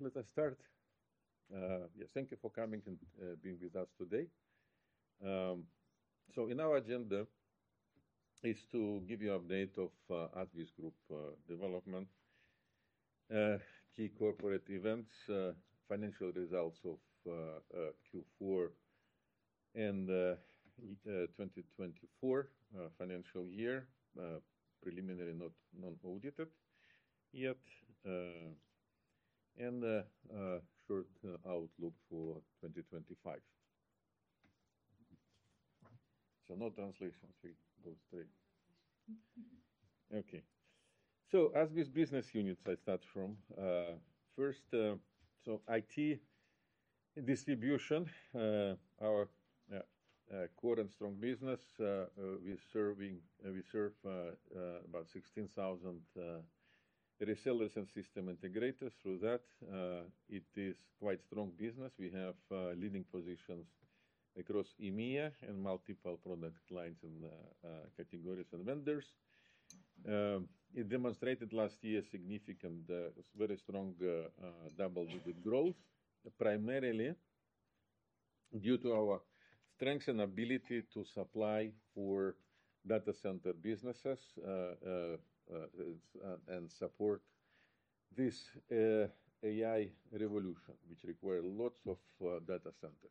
Let us start. Thank you for coming and being with us today. So in our agenda is to give you an update of ASBIS Group development, key corporate events, financial results of Q4 and 2024 financial year, preliminary not non-audited yet, and short outlook for 2025. So no translations will go straight. Okay. So ASBIS Business Units, I start from. First, so IT distribution, our core and strong business. We serve about 16,000 resellers and system integrators through that. It is quite strong business. We have leading positions across EMEA and multiple product lines and categories and vendors. It demonstrated last year significant, very strong double-digit growth, primarily due to our strength and ability to supply for data center businesses and support this AI revolution, which requires lots of data centers.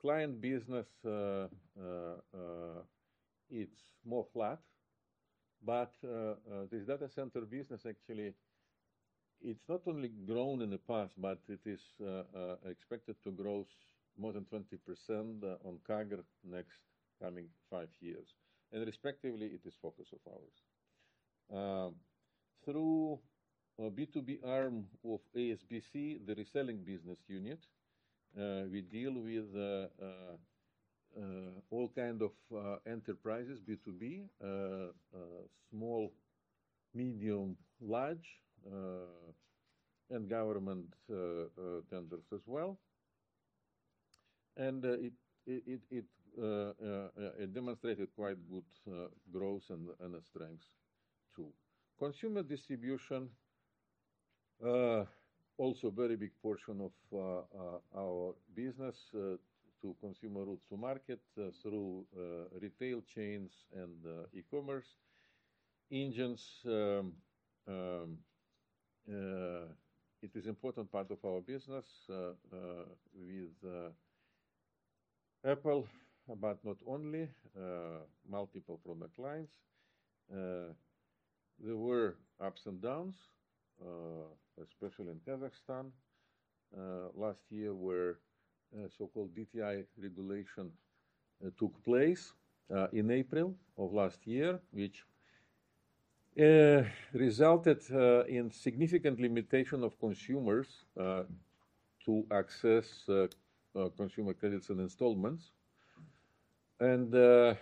Client business, it's more flat, but this data center business actually, it's not only grown in the past, but it is expected to grow more than 20% on CAGR next coming five years. And respectively, it is focus of ours. Through B2B arm of ASBC, the reselling business unit, we deal with all kinds of enterprises, B2B, small, medium, large, and government tenders as well. And it demonstrated quite good growth and strength too. Consumer distribution, also a very big portion of our business to consumer route to market through retail chains and e-commerce engines. It is an important part of our business with Apple, but not only, multiple product lines. There were ups and downs, especially in Kazakhstan. Last year, where so-called DTI regulation took place in April of last year, which resulted in significant limitation of consumers to access consumer credits and installments. This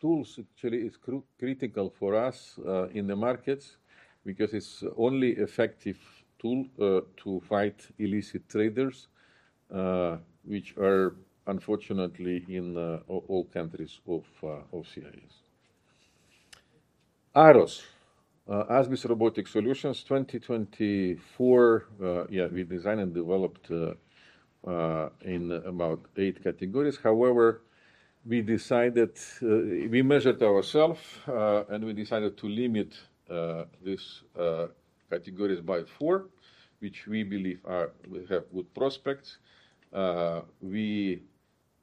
tool actually is critical for us in the markets because it's the only effective tool to fight illicit traders, which are unfortunately in all countries of CIS. AROS, ASBIS Robotic Solutions 2024. Yeah, we designed and developed in about eight categories. However, we measured ourselves, and we decided to limit these categories by four, which we believe have good prospects. We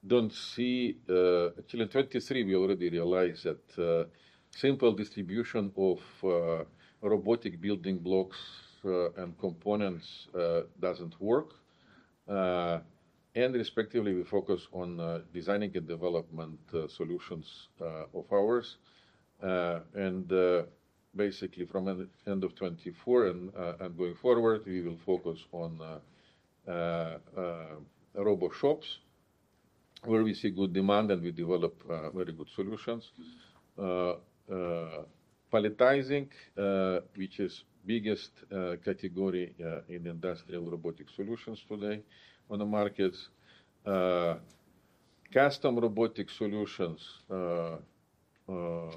don't see actually in 2023. We already realized that simple distribution of robotic building blocks and components doesn't work. Respectively, we focus on designing and development solutions of ours. Basically, from the end of 2024 and going forward, we will focus on ROBO SHOPS where we see good demand and we develop very good solutions. Palletizing, which is the biggest category in industrial robotic solutions today on the markets. Custom robotic solutions, again,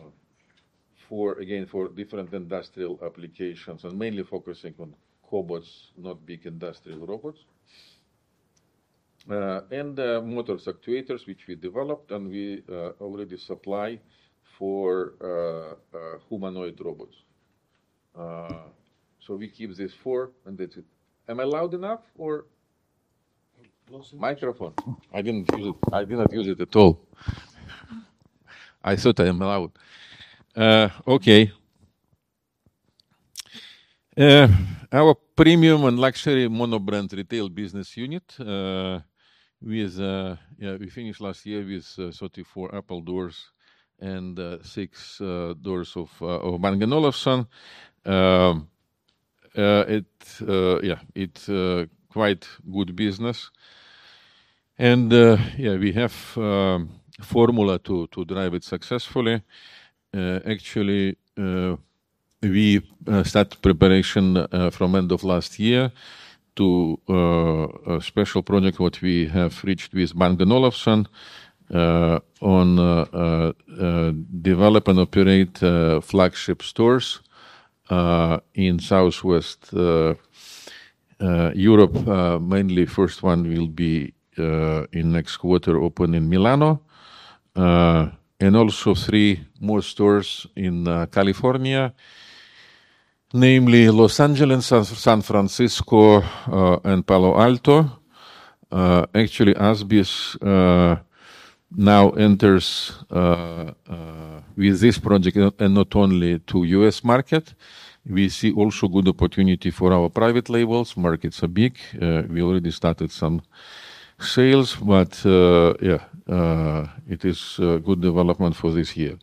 for different industrial applications and mainly focusing on cobots, not big industrial robots. Motor actuators, which we developed and we already supply for humanoid robots. We keep these four and that's it. Am I loud enough or? Closer. Microphone. I didn't use it. I did not use it at all. I thought I am loud. Okay. Our Premium and Luxury Monobrand Retail Business Unit with we finished last year with 34 Apple doors and six doors of Bang & Olufsen. Yeah, it's quite good business. And yeah, we have a formula to drive it successfully. Actually, we started preparation from the end of last year to a special project what we have reached with Bang & Olufsen on develop and operate flagship stores in Southwest Europe. Mainly, the first one will be in next quarter open in Milan. And also three more stores in California, namely Los Angeles, San Francisco, and Palo Alto. Actually, ASBIS now enters with this project and not only to the U.S. market. We see also good opportunity for our private labels. The market's big. We already started some sales, but yeah, it is a good development for this year.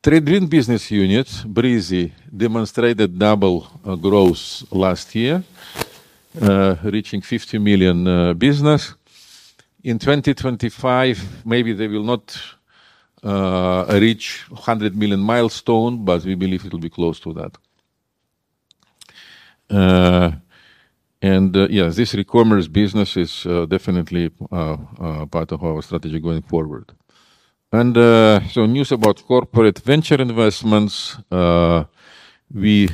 Trade-in Business Unit, Breezy, demonstrated double growth last year, reaching $50 million business. In 2025, maybe they will not reach $100 million milestone, but we believe it will be close to that. Yeah, this e-commerce business is definitely part of our strategy going forward. And so, news about Corporate Venture Investments. We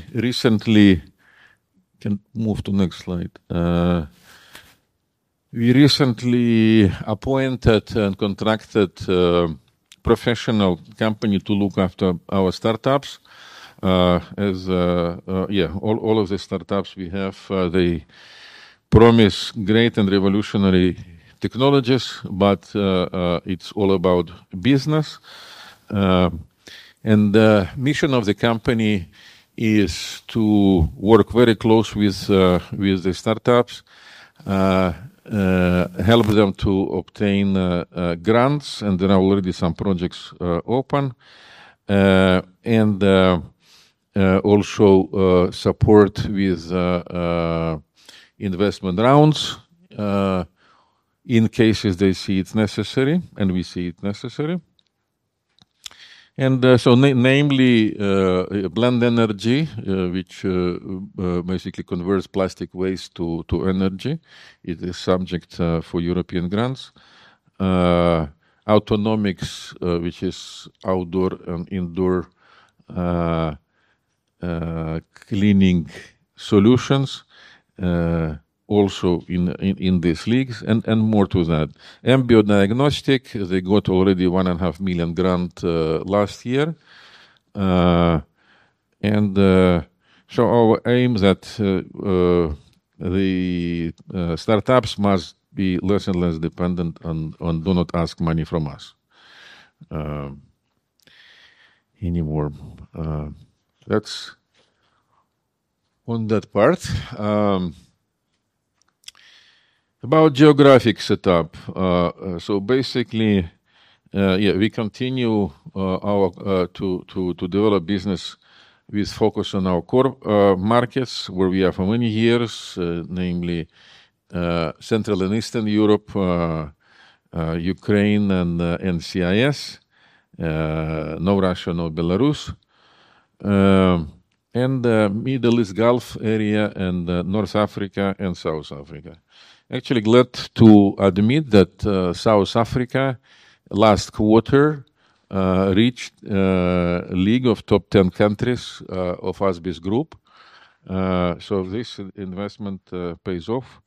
can move to the next slide. We recently appointed and contracted a professional company to look after our startups. Yeah, all of the startups we have, they promise great and revolutionary technologies, but it's all about business. And the mission of the company is to work very close with the startups, help them to obtain grants, and there are already some projects open. And also support with investment rounds in cases they see it's necessary and we see it necessary. Namely Blend Energy, which basically converts plastic waste to energy. It is subject to European grants. Atonomics, which is outdoor and indoor cleaning solutions, also eligible and more to that. EMBIO Diagnostics, they got already a 1.5 million grant last year. Our aim is that the startups must be less and less dependent and do not ask money from us anymore. That's on that part. About geographic setup. Basically, yeah, we continue to develop business with focus on our core markets where we have many years, namely Central and Eastern Europe, Ukraine, and CIS. No Russia, no Belarus. The Middle East Gulf area and North Africa and South Africa. Actually, glad to admit that South Africa last quarter reached a level of top 10 countries of ASBIS Group. So this investment pays off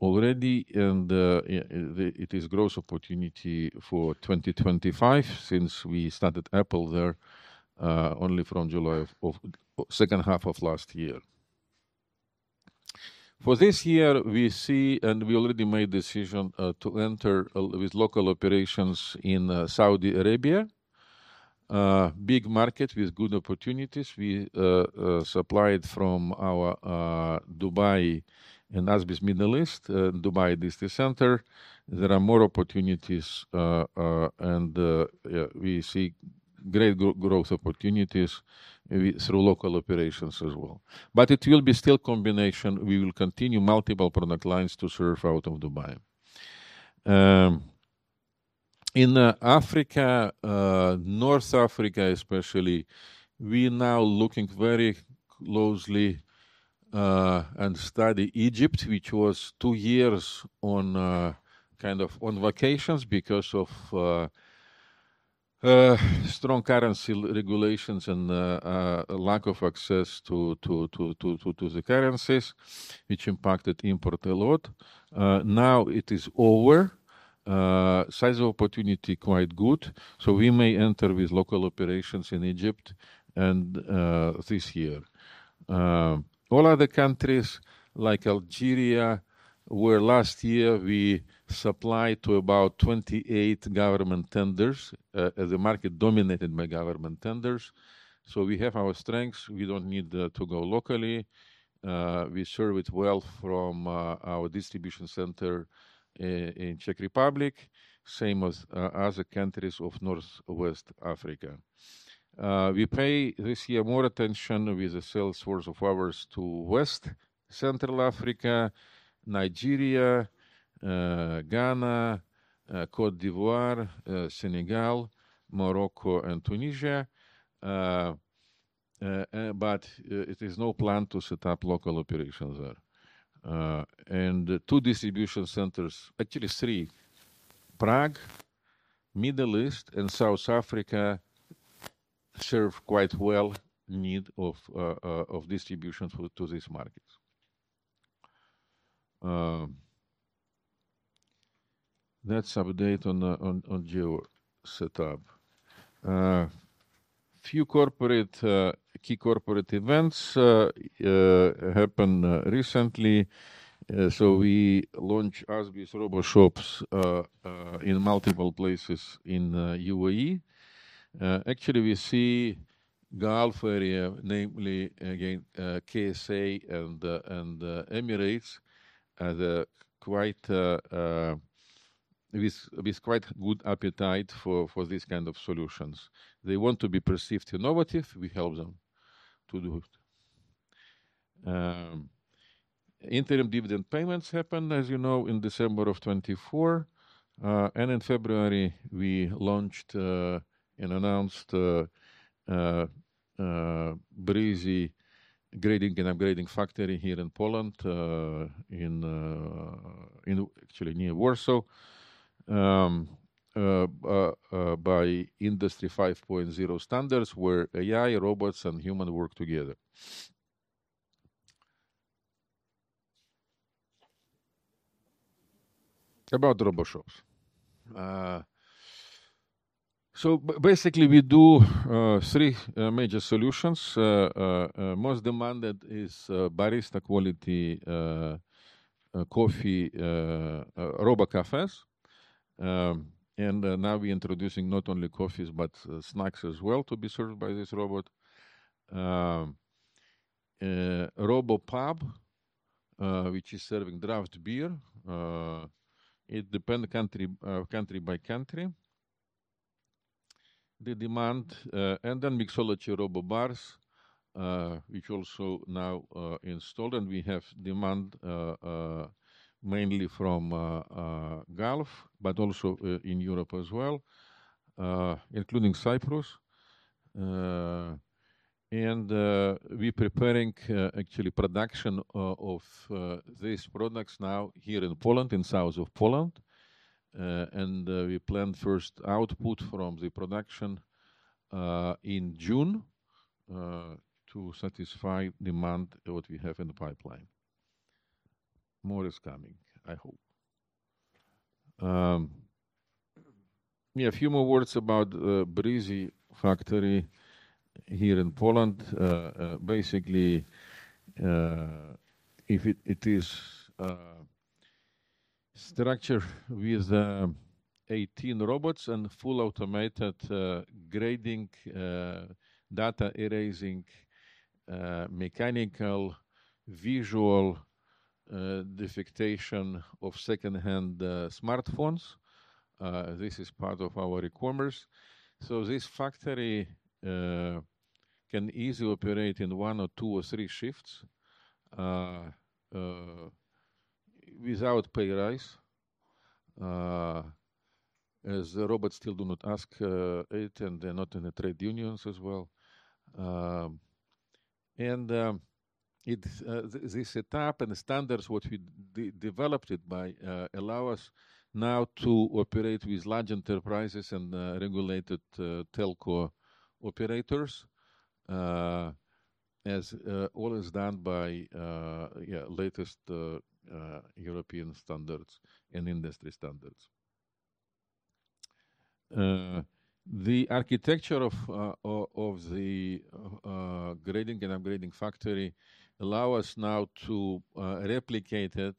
already, and it is a growth opportunity for 2025 since we started Apple there only from July of second half of last year. For this year, we see and we already made a decision to enter with local operations in Saudi Arabia. Big market with good opportunities. We supplied from our Dubai and ASBIS Middle East, Dubai DC Center. There are more opportunities, and we see great growth opportunities through local operations as well. But it will be still a combination. We will continue multiple product lines to serve out of Dubai. In Africa, North Africa especially, we are now looking very closely and study Egypt, which was two years on kind of vacations because of strong currency regulations and lack of access to the currencies, which impacted import a lot. Now it is over. Size of opportunity quite good. We may enter with local operations in Egypt this year. All other countries like Algeria, where last year we supplied to about 28 government tenders, the market dominated by government tenders. So we have our strengths. We don't need to go locally. We serve it well from our distribution center in Czech Republic, same as other countries of Northwest Africa. We pay this year more attention with the sales force of ours to West Central Africa, Nigeria, Ghana, Côte d'Ivoire, Senegal, Morocco, and Tunisia. But it is no plan to set up local operations there. And two distribution centers. Actually three, Prague, Middle East, and South Africa serve quite well need of distribution to these markets. That's update on geo setup. Few key corporate events happen recently. So we launch ASBIS ROBO SHOPS in multiple places in UAE. Actually, we see Gulf area, namely again, KSA and Emirates, with quite good appetite for these kinds of solutions. They want to be perceived innovative. We help them to do it. Interim dividend payments happen, as you know, in December of 2024. And in February, we launched and announced Breezy grading and upgrading factory here in Poland, actually near Warsaw, by Industry 5.0 standards where AI, robots, and human work together. About ROBO SHOPS. So basically, we do three major solutions. Most demanded is barista quality coffee ROBO CAFÉ. And now we're introducing not only coffees, but snacks as well to be served by this robot. RoboPub, which is serving draft beer. It depends country by country. The demand. And then Mixology RoboBars, which also now installed. And we have demand mainly from Gulf, but also in Europe as well, including Cyprus. We're preparing actually production of these products now here in Poland, in south of Poland. We plan first output from the production in June to satisfy demand what we have in the pipeline. More is coming, I hope. Yeah, a few more words about Breezy factory here in Poland. Basically, it is structured with 18 robots and full automated grading, data erasing, mechanical, visual defect detection of secondhand smartphones. This is part of our requirements. So this factory can easily operate in one or two or three shifts without pay rise. The robots still do not ask it, and they're not in the trade unions as well. This setup and the standards what we developed it by allow us now to operate with large enterprises and regulated telco operators as all is done by latest European standards and industry standards. The architecture of the grading and upgrading factory allows us now to replicate it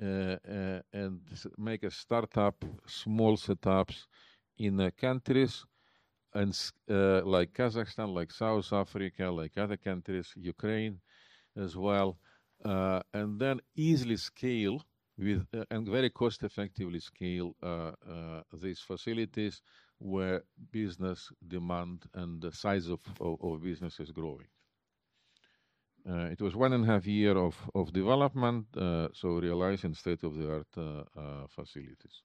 and make a startup, small setups in countries like Kazakhstan, like South Africa, like other countries, Ukraine as well. Then easily scale with and very cost-effectively scale these facilities where business demand and the size of business is growing. It was one-and-a-half years of development, so realizing state-of-the-art facilities.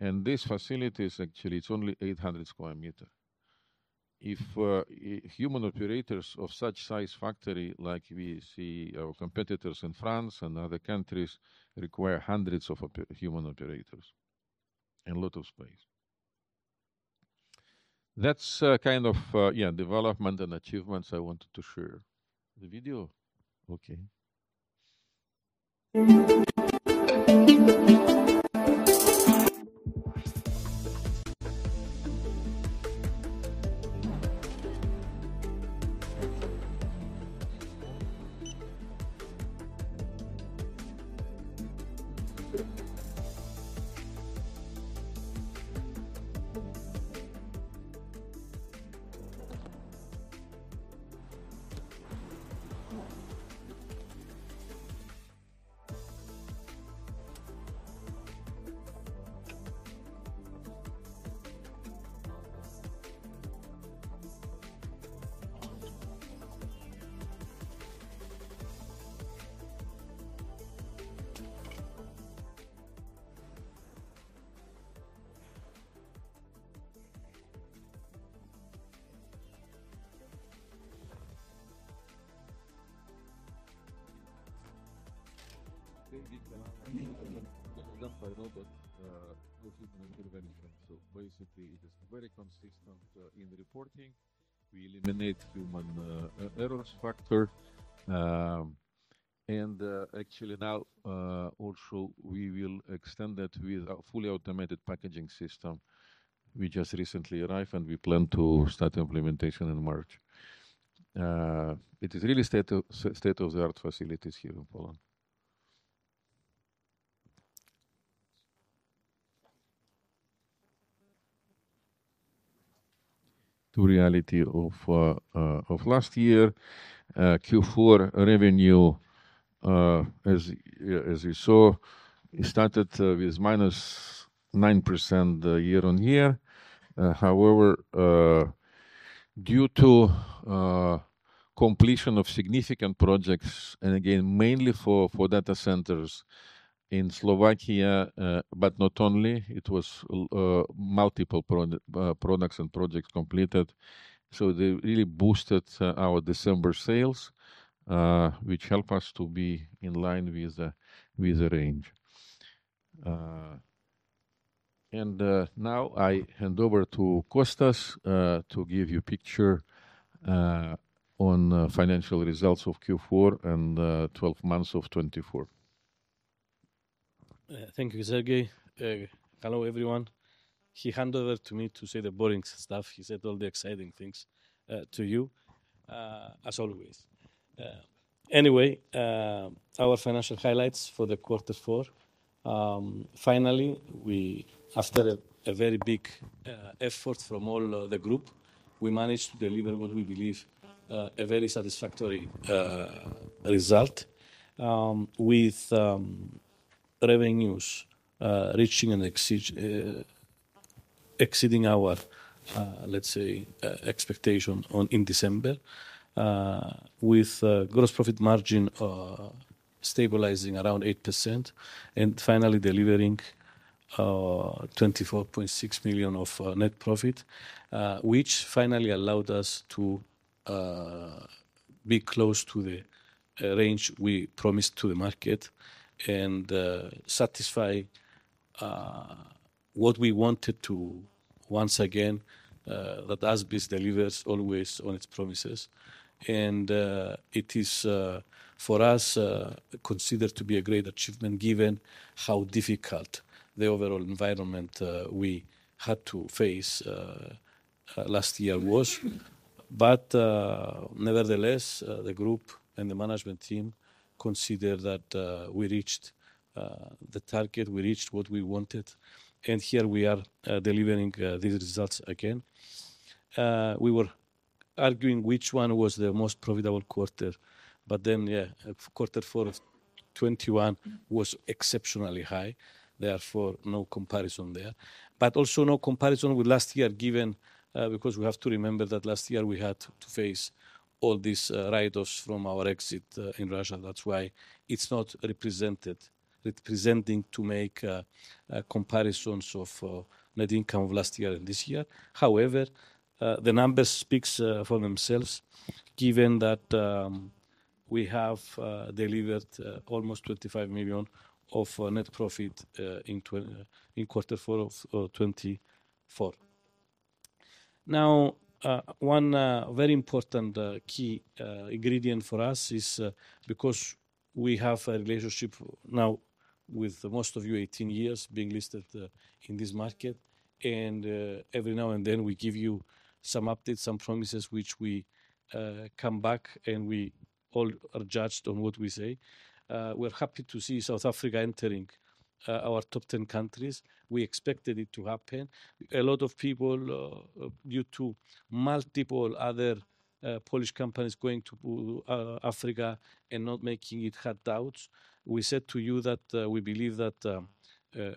These facilities, actually, it's only 800 sq m. If human operators of such size factory like we see our competitors in France and other countries require hundreds of human operators and a lot of space. That's kind of, yeah, development and achievements I wanted to share. The video. Okay. So basically, it is very consistent in reporting. We eliminate human errors factor. And actually now, also we will extend that with a fully automated packaging system. We just recently arrived, and we plan to start implementation in March. It is really state-of-the-art facilities here in Poland. In reality of last year, Q4 revenue, as you saw, started with -9% year-on-year. However, due to completion of significant projects, and again, mainly for data centers in Slovakia, but not only, it was multiple products and projects completed. So they really boosted our December sales, which helped us to be in line with the range. And now I hand over to Costas to give you a picture on financial results of Q4 and 12 months of 2024. Thank you, Serhei. Hello everyone. He handed over to me to say the boring stuff. He said all the exciting things to you, as always. Anyway, our financial highlights for the quarter four. Finally, after a very big effort from all the group, we managed to deliver what we believe a very satisfactory result with revenues reaching and exceeding our, let's say, expectation in December, with gross profit margin stabilizing around 8%, and finally delivering $24.6 million of net profit, which finally allowed us to be close to the range we promised to the market and satisfy what we wanted to once again that ASBIS delivers always on its promises. And it is for us considered to be a great achievement given how difficult the overall environment we had to face last year was. But nevertheless, the group and the management team consider that we reached the target, we reached what we wanted. And here we are delivering these results again. We were arguing which one was the most profitable quarter. But then, yeah, quarter four of 2021 was exceptionally high. Therefore, no comparison there. But also no comparison with last year given because we have to remember that last year we had to face all these write-offs from our exit in Russia. That's why it's not representing to make comparisons of net income of last year and this year. However, the numbers speak for themselves given that we have delivered almost $25 million of net profit in quarter four of 2024. Now, one very important key ingredient for us is because we have a relationship now with most of you 18 years being listed in this market. And every now and then we give you some updates, some promises which we come back and we all are judged on what we say. We're happy to see South Africa entering our top 10 countries. We expected it to happen. A lot of people, due to multiple other Polish companies going to Africa and not making it, had doubts. We said to you that we believe that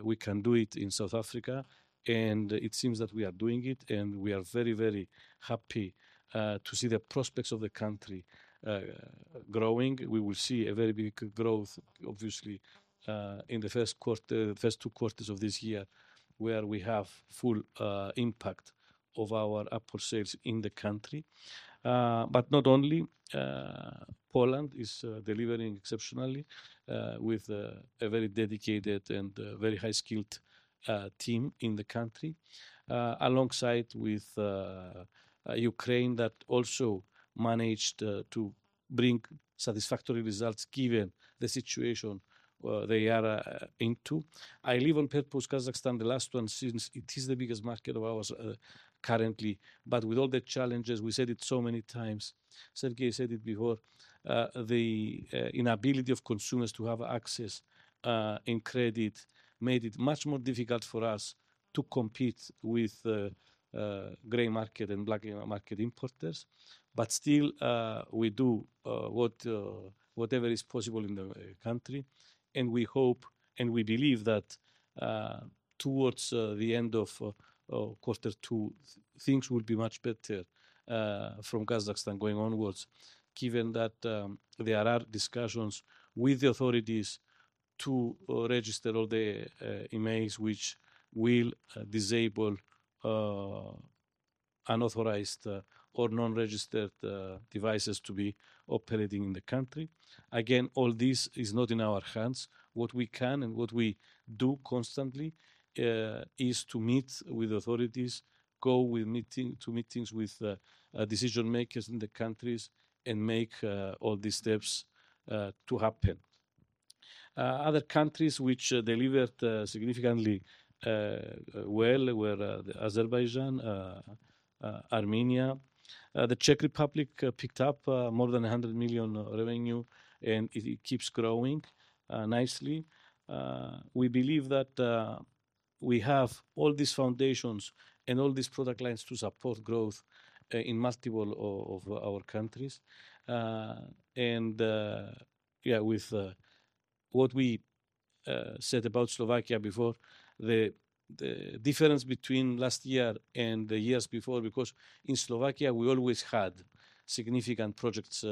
we can do it in South Africa, and it seems that we are doing it, and we are very, very happy to see the prospects of the country growing. We will see a very big growth, obviously, in the first two quarters of this year where we have full impact of our Apple sales in the country, but not only. Poland is delivering exceptionally with a very dedicated and very high-skilled team in the country, alongside with Ukraine that also managed to bring satisfactory results given the situation they are into. I leave on purpose Kazakhstan, the last one since it is the biggest market of ours currently, but with all the challenges, we said it so many times. Serhei said it before. The inability of consumers to have access in credit made it much more difficult for us to compete with gray market and black market importers. But still, we do whatever is possible in the country. We hope and we believe that towards the end of quarter two, things will be much better from Kazakhstan going onwards, given that there are discussions with the authorities to register all the IMEIs which will disable unauthorized or non-registered devices to be operating in the country. Again, all this is not in our hands. What we can and what we do constantly is to meet with authorities, go to meetings with decision makers in the countries, and make all these steps to happen. Other countries which delivered significantly well were Azerbaijan, Armenia. The Czech Republic picked up more than $100 million revenue, and it keeps growing nicely. We believe that we have all these foundations and all these product lines to support growth in multiple of our countries. Yeah, with what we said about Slovakia before, the difference between last year and the years before, because in Slovakia, we always had significant projects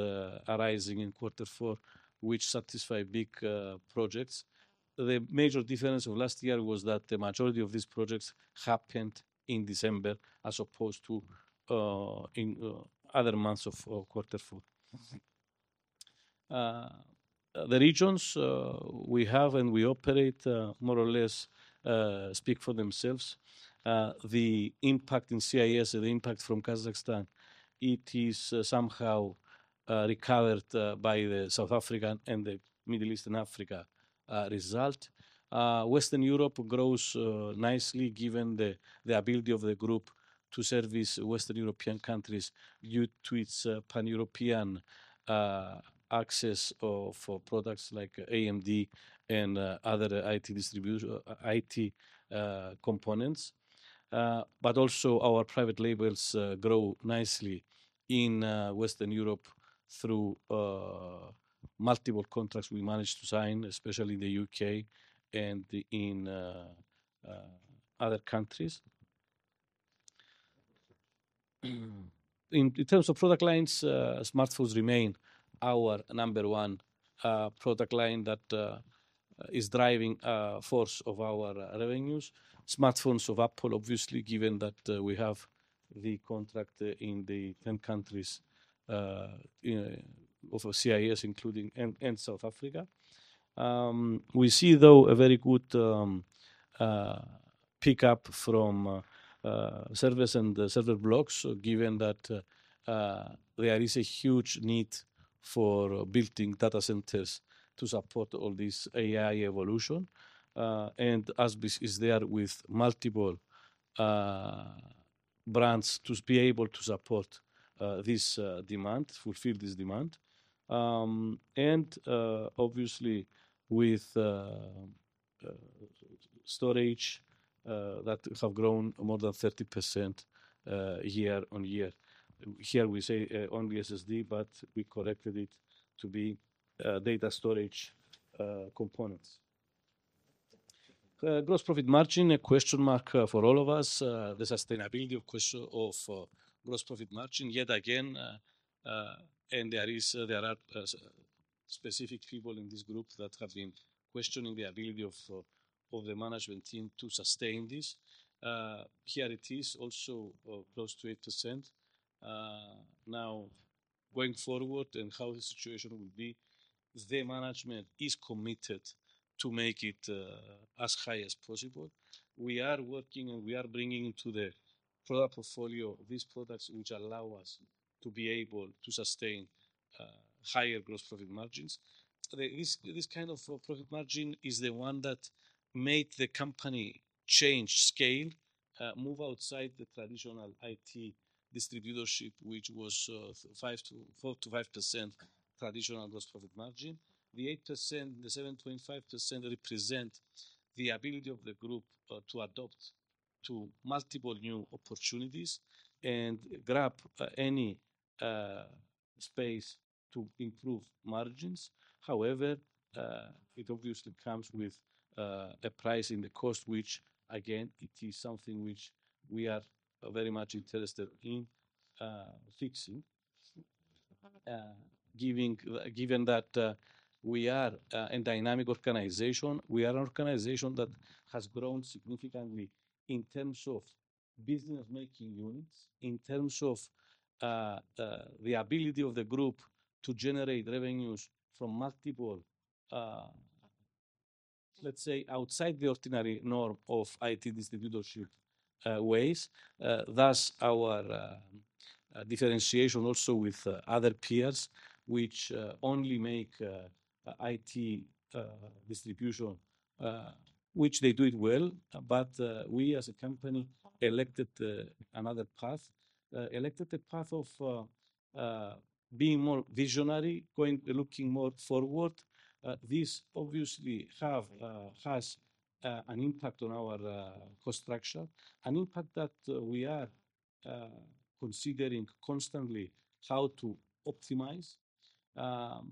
arising in quarter four, which satisfy big projects. The major difference of last year was that the majority of these projects happened in December as opposed to other months of quarter four. The regions we have and we operate more or less speak for themselves. The impact in CIS and the impact from Kazakhstan, it is somehow recovered by the South African and the Middle Eastern Africa result. Western Europe grows nicely given the ability of the group to service Western European countries due to its pan-European access of products like AMD and other IT components. But also our private labels grow nicely in Western Europe through multiple contracts we managed to sign, especially in the U.K. and in other countries. In terms of product lines, smartphones remain our number one product line that is driving force of our revenues. Smartphones of Apple, obviously, given that we have the contract in the 10 countries of CIS, including South Africa. We see, though, a very good pickup from service and server blocks, given that there is a huge need for building data centers to support all this AI evolution. And ASBIS is there with multiple brands to be able to support this demand, fulfill this demand. And obviously, with storage that have grown more than 30% year-on-year. Here we say only SSD, but we corrected it to be data storage components. Gross profit margin, a question mark for all of us. The sustainability of gross profit margin, yet again. And there are specific people in this group that have been questioning the ability of the management team to sustain this. Here it is also close to 8%. Now, going forward and how the situation will be, the management is committed to make it as high as possible. We are working and we are bringing to the product portfolio these products which allow us to be able to sustain higher gross profit margins. This kind of profit margin is the one that made the company change scale, move outside the traditional IT distributorship, which was 4%-5% traditional gross profit margin. The 8%, the 7.5% represent the ability of the group to adapt to multiple new opportunities and grab any space to improve margins. However, it obviously comes with a price in the cost, which again, it is something which we are very much interested in fixing. Given that we are a dynamic organization, we are an organization that has grown significantly in terms of business-making units, in terms of the ability of the group to generate revenues from multiple, let's say, outside the ordinary norm of IT distributorship ways. Thus, our differentiation also with other peers, which only make IT distribution, which they do it well. But we as a company elected another path, elected a path of being more visionary, looking more forward. This obviously has an impact on our cost structure, an impact that we are considering constantly how to optimize.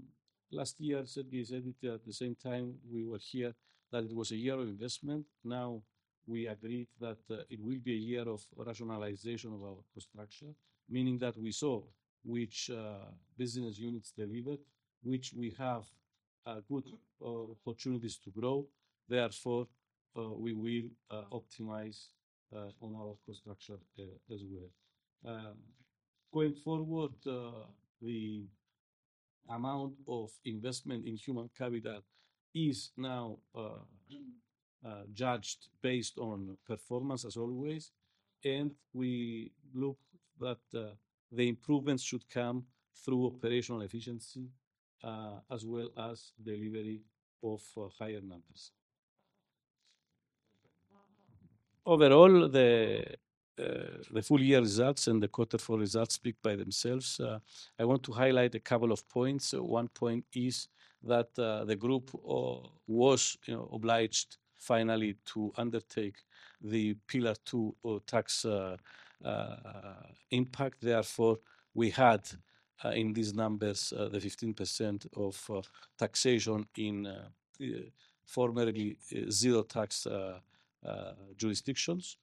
Last year, Serhei said it at the same time we were here that it was a year of investment. Now we agreed that it will be a year of rationalization of our construction, meaning that we saw which business units delivered, which we have good opportunities to grow. Therefore, we will optimize on our construction as well. Going forward, the amount of investment in human capital is now judged based on performance as always. And we look that the improvements should come through operational efficiency as well as delivery of higher numbers. Overall, the full year results and the quarter four results speak by themselves. I want to highlight a couple of points. One point is that the group was obliged finally to undertake the Pillar Two tax impact. Therefore, we had in these numbers the 15% of taxation in formerly zero tax jurisdictions.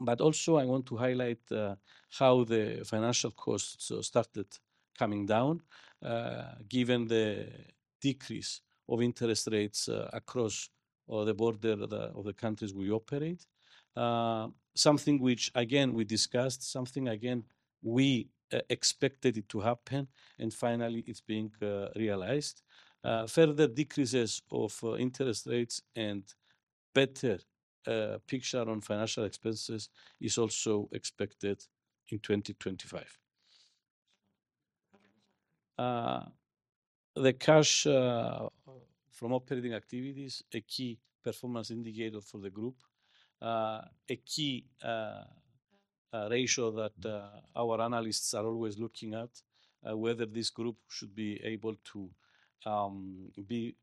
But also, I want to highlight how the financial costs started coming down given the decrease of interest rates across the border of the countries we operate. Something which, again, we discussed, something again we expected it to happen, and finally, it's being realized. Further decreases of interest rates and better picture on financial expenses is also expected in 2025. The cash from operating activities, a key performance indicator for the group, a key ratio that our analysts are always looking at whether this group should be able to be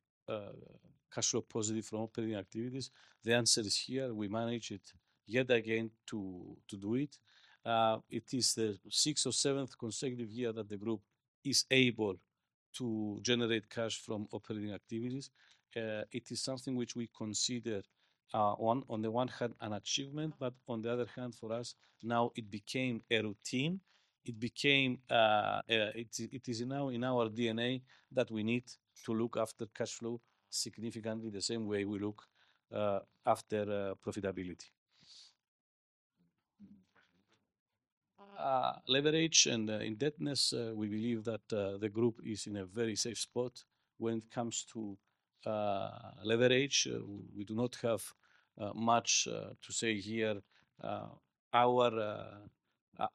cash flow positive from operating activities. The answer is here. We manage it yet again to do it. It is the sixth or seventh consecutive year that the group is able to generate cash from operating activities. It is something which we consider on the one hand an achievement, but on the other hand, for us, now it became a routine. It is now in our DNA that we need to look after cash flow significantly the same way we look after profitability. Leverage and indebtedness, we believe that the group is in a very safe spot when it comes to leverage. We do not have much to say here. Our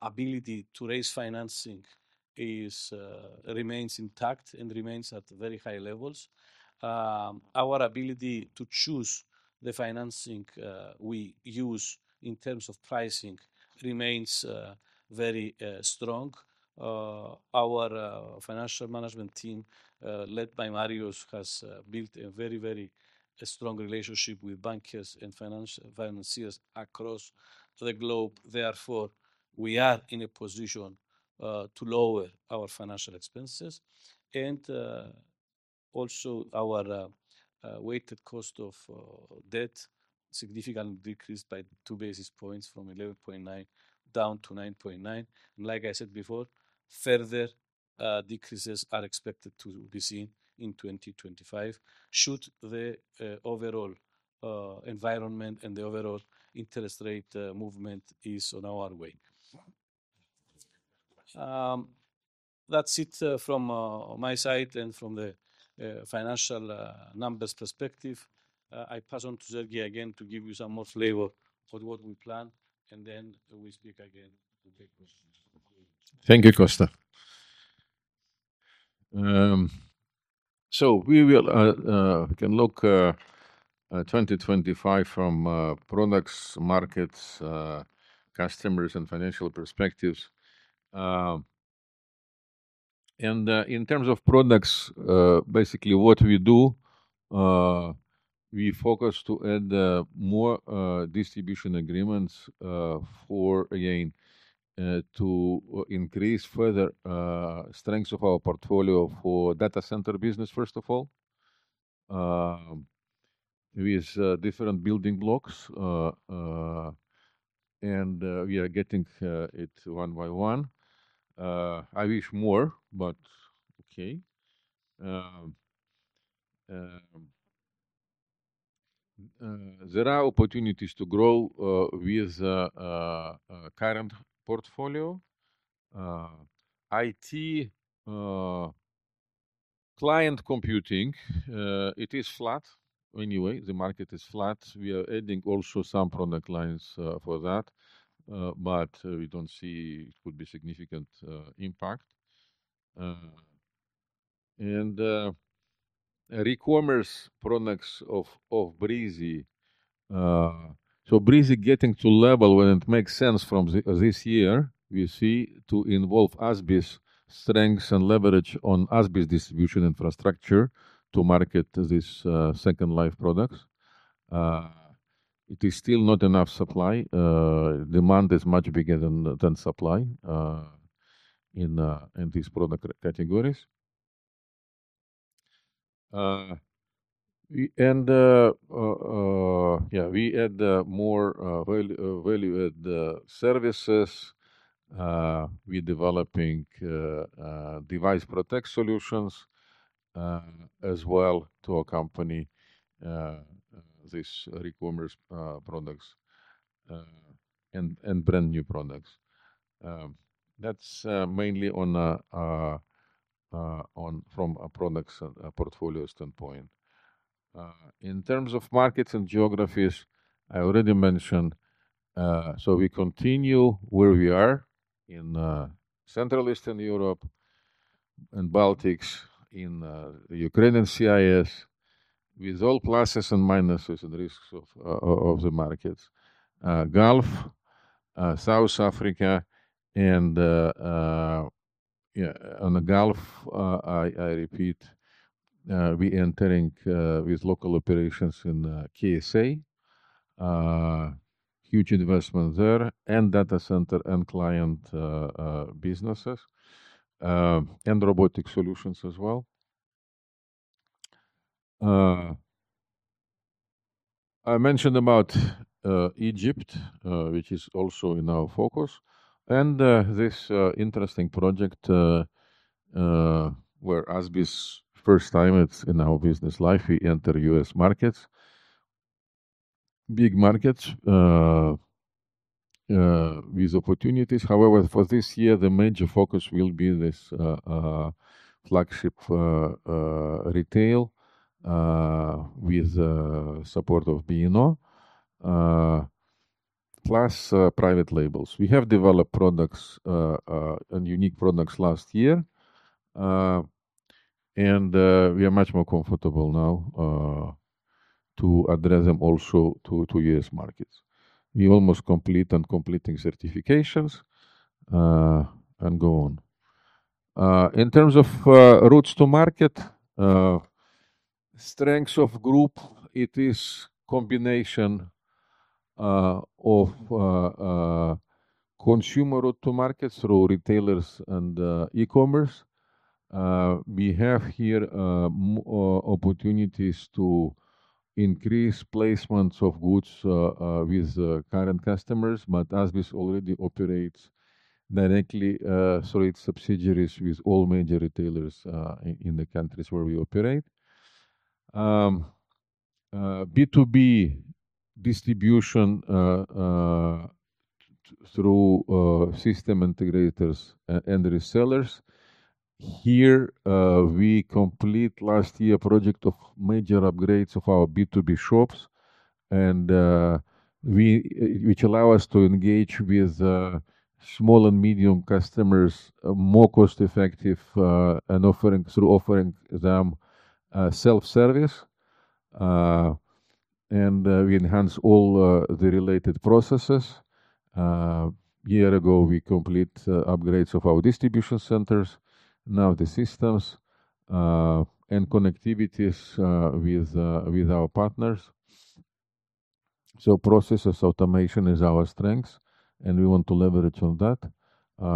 ability to raise financing remains intact and remains at very high levels. Our ability to choose the financing we use in terms of pricing remains very strong. Our financial management team led by Marios has built a very, very strong relationship with bankers and financiers across the globe. Therefore, we are in a position to lower our financial expenses. And also our weighted cost of debt significantly decreased by two basis points from 11.9 down to 9.9. And like I said before, further decreases are expected to be seen in 2025 should the overall environment and the overall interest rate movement is on our way. That's it from my side and from the financial numbers perspective. I pass on to Serhei again to give you some more flavor for what we plan, and then we speak again to take questions. Thank you, Costas. So we can look at 2025 from products, markets, customers, and financial perspectives. And in terms of products, basically what we do, we focus to add more distribution agreements for, again, to increase further strength of our portfolio for data center business, first of all, with different building blocks. And we are getting it one by one. I wish more, but okay. There are opportunities to grow with current portfolio. IT client computing, it is flat. Anyway, the market is flat. We are adding also some product lines for that, but we don't see it would be significant impact. And e-commerce products of Breezy. So Breezy getting to level when it makes sense from this year, we see to involve ASBIS strengths and leverage on ASBIS distribution infrastructure to market these second life products. It is still not enough supply. Demand is much bigger than supply in these product categories. And yeah, we add more value-add services. We are developing device protect solutions as well to accompany these e-commerce products and brand new products. That's mainly from a products portfolio standpoint. In terms of markets and geographies, I already mentioned. So we continue where we are in Central Eastern Europe and Baltics in Ukrainian CIS with all pluses and minuses and risks of the markets. Gulf, South Africa, and on the Gulf, I repeat, we are entering with local operations in KSA. Huge investment there and data center and client businesses and robotic solutions as well. I mentioned about Egypt, which is also in our focus. And this interesting project where ASBIS first time in our business life, we enter U.S. markets. Big markets with opportunities. However, for this year, the major focus will be this flagship retail with support of B&O, plus private labels. We have developed products and unique products last year. And we are much more comfortable now to address them also to U.S. markets. We almost complete and completing certifications and go on. In terms of routes to market, strengths of group, it is combination of consumer route to market through retailers and e-commerce. We have here opportunities to increase placements of goods with current customers, but ASBIS already operates directly through its subsidiaries with all major retailers in the countries where we operate. B2B distribution through system integrators and resellers. Here we complete last year a project of major upgrades of our B2B shops, which allow us to engage with small and medium customers more cost-effective and through offering them self-service, and we enhance all the related processes. A year ago, we complete upgrades of our distribution centers, now the systems and connectivities with our partners, so processes automation is our strength, and we want to leverage on that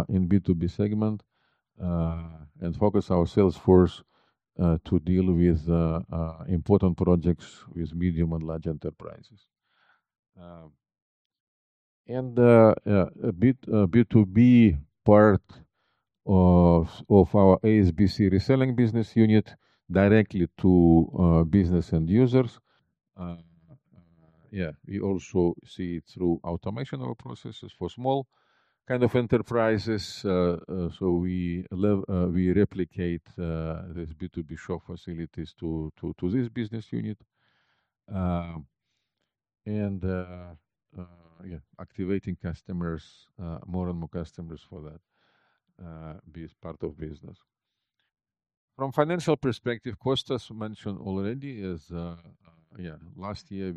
in B2B segment and focus our sales force to deal with important projects with medium and large enterprises. A B2B part of our ASBIS reselling business unit directly to business end users. Yeah, we also see it through automation of our processes for small kind of enterprises. So we replicate these B2B shop facilities to this business unit. And yeah, activating customers, more and more customers for that part of business. From financial perspective, Costas mentioned already is, yeah, last year,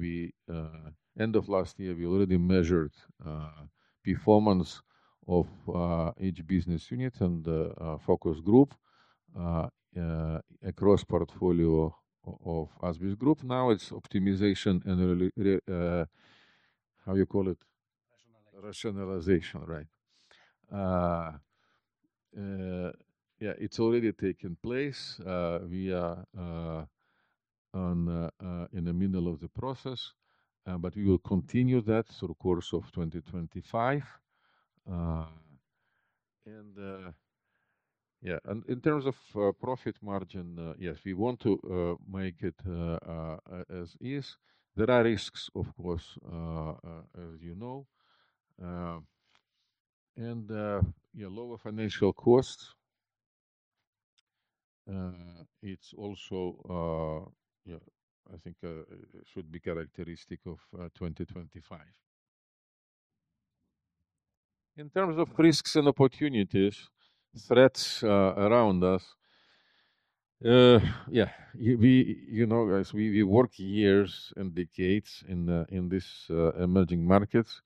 end of last year, we already measured performance of each business unit and focus group across portfolio of ASBIS Group. Now it's optimization and how you call it? Rationalization. Rationalization, right. Yeah, it's already taken place. We are in the middle of the process, but we will continue that through the course of 2025. And yeah, in terms of profit margin, yes, we want to make it as is. There are risks, of course, as you know. And yeah, lower financial costs. It's also, yeah, I think it should be characteristic of 2025. In terms of risks and opportunities, threats around us, yeah, you know, guys, we work years and decades in these emerging markets,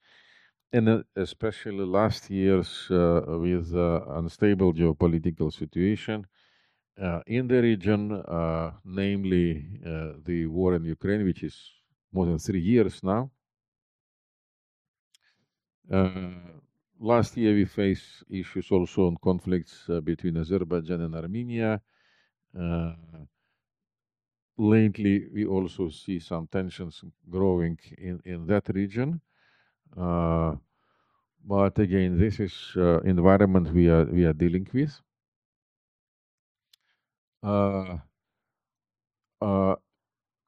and especially last year's with unstable geopolitical situation in the region, namely the war in Ukraine, which is more than three years now. Last year, we faced issues also on conflicts between Azerbaijan and Armenia. Lately, we also see some tensions growing in that region. But again, this is an environment we are dealing with.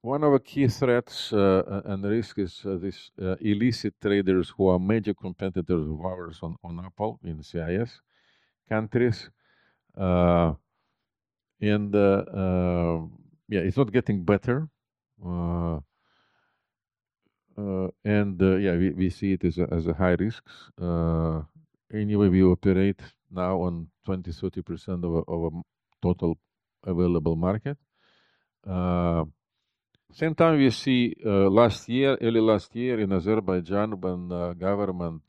One of the key threats and risks is these illicit traders who are major competitors of ours on Apple in CIS countries, and yeah, it's not getting better, and yeah, we see it as a high risk. Anyway, we operate now on 20%-30% of a total available market. same time we saw last year, early last year in Azerbaijan when the government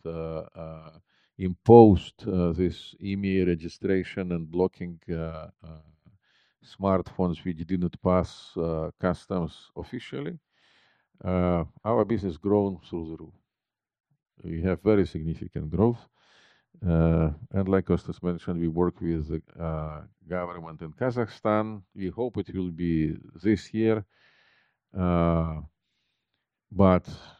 imposed this IMEI registration and blocking smartphones which didn't pass customs officially. Our business has grown through the roof. We have very significant growth. And like Costas mentioned, we work with the government in Kazakhstan. We hope it will be this year. But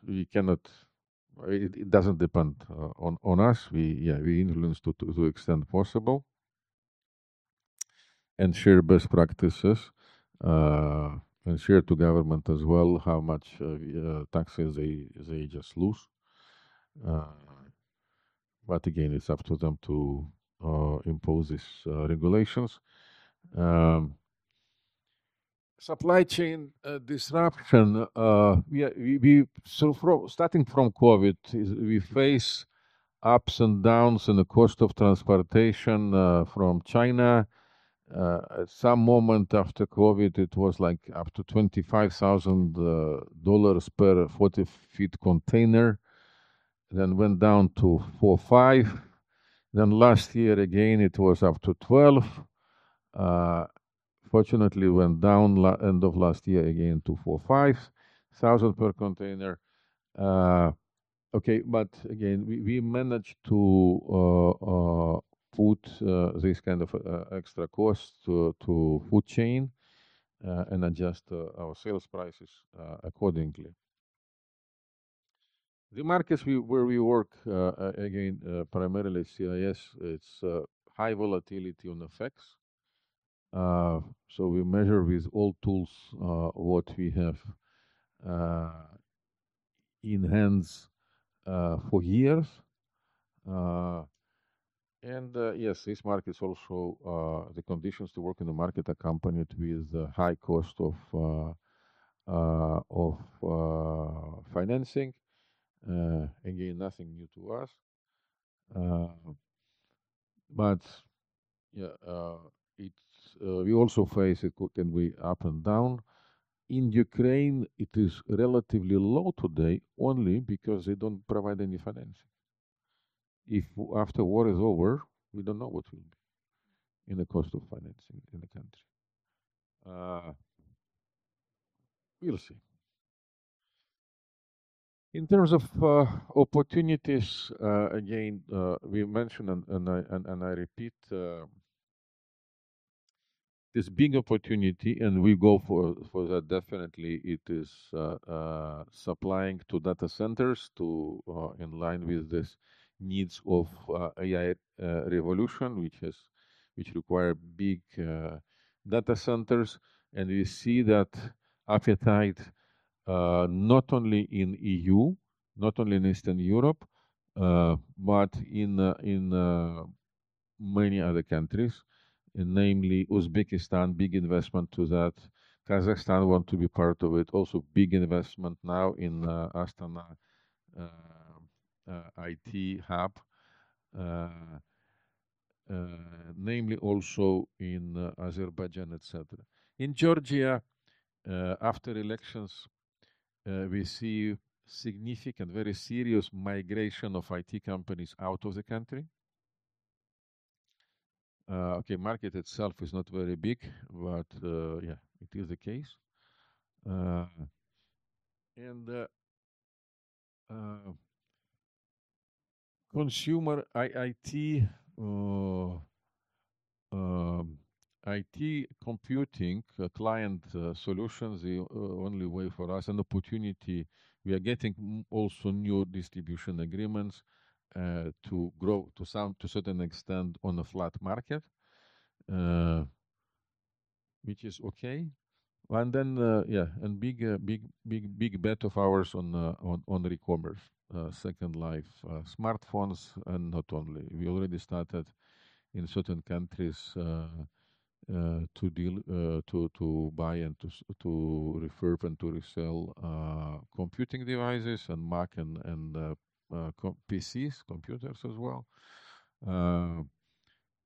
it doesn't depend on us. Yeah, we influence to the extent possible and share best practices and share to government as well how much taxes they just lose. But again, it's up to them to impose these regulations. Supply chain disruption. So starting from COVID, we face ups and downs in the cost of transportation from China. At some moment after COVID, it was like up to $25,000 per 40-foot container. Then went down to $4,500. Then last year, again, it was up to $12,000. Fortunately, went down end of last year again to $4,500 per container. Okay, but again, we managed to put this kind of extra cost to supply chain and adjust our sales prices accordingly. The markets where we work, again, primarily CIS, it's high volatility on FX. So we manage with all tools what we have in hand for years. And yes, this market is also the conditions to work in the market accompanied with the high cost of financing. Again, nothing new to us. But we also face it can be up and down. In Ukraine, it is relatively low today only because they don't provide any financing. If after war is over, we don't know what will be in the cost of financing in the country. We'll see. In terms of opportunities, again, we mentioned and I repeat, this big opportunity and we go for that definitely. It is supplying to data centers in line with these needs of AI revolution, which requires big data centers. We see that appetite not only in EU, not only in Eastern Europe, but in many other countries, namely Uzbekistan, big investment to that. Kazakhstan wants to be part of it. Also big investment now in Astana IT hub, namely also in Azerbaijan, etc. In Georgia, after elections, we see significant, very serious migration of IT companies out of the country. Okay, market itself is not very big, but yeah, it is the case. Consumer IT, IT computing, client solutions, the only way for us an opportunity. We are getting also new distribution agreements to grow to certain extent on a flat market, which is okay. Then, yeah, big bet of ours on e-commerce, second life smartphones and not only. We already started in certain countries to buy and to refurb and to resell computing devices and Mac and PCs, computers as well.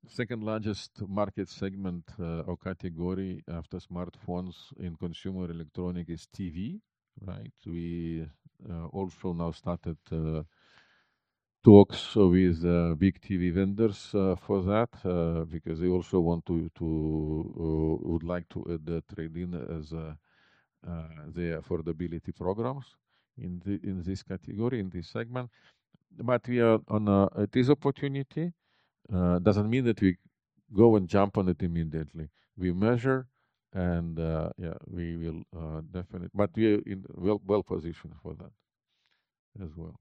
Second largest market segment or category after smartphones in consumer electronics is TV, right? We also now started talks with big TV vendors for that because they also want to, would like to add the Trade-In as the affordability programs in this category, in this segment. But we are on a, it is opportunity. Doesn't mean that we go and jump on it immediately. We measure and yeah, we will definitely, but we are well positioned for that as well.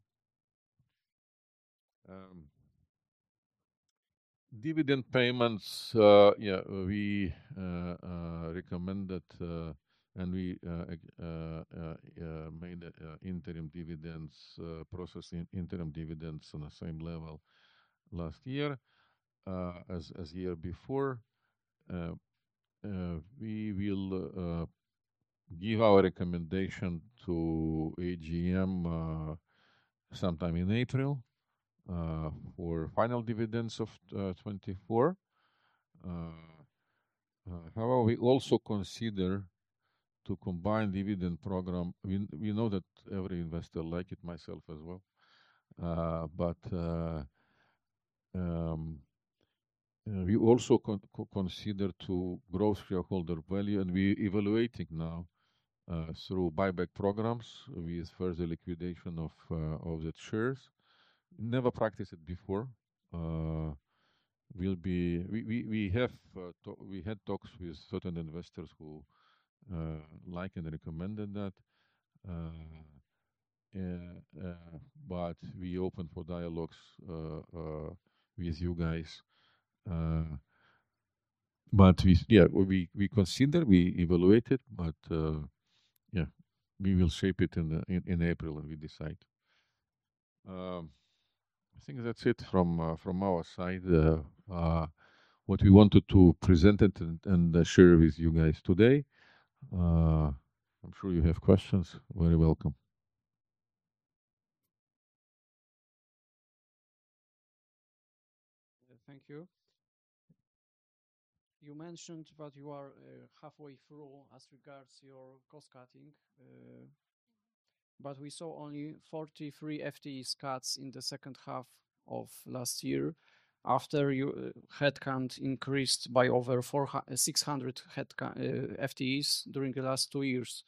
Dividend payments, yeah, we recommended and we made interim dividends processing interim dividends on the same level last year as the year before. We will give our recommendation to AGM sometime in April for final dividends of 24. However, we also consider to combine dividend program. We know that every investor likes it, myself as well. But we also consider the growth of shareholder value, and we are evaluating now through buyback programs with further liquidation of the shares. Never practiced it before. We have talked with certain investors who liked and recommended that. But we are open for dialogues with you guys. But yeah, we consider, we evaluate it, but yeah, we will shape it in April and we decide. I think that's it from our side. What we wanted to present and share with you guys today. I'm sure you have questions. Very welcome. Thank you. You mentioned that you are halfway through as regards your cost cutting, but we saw only 43 FTE cuts in the second half of last year after headcount increased by over 600 FTEs during the last two years.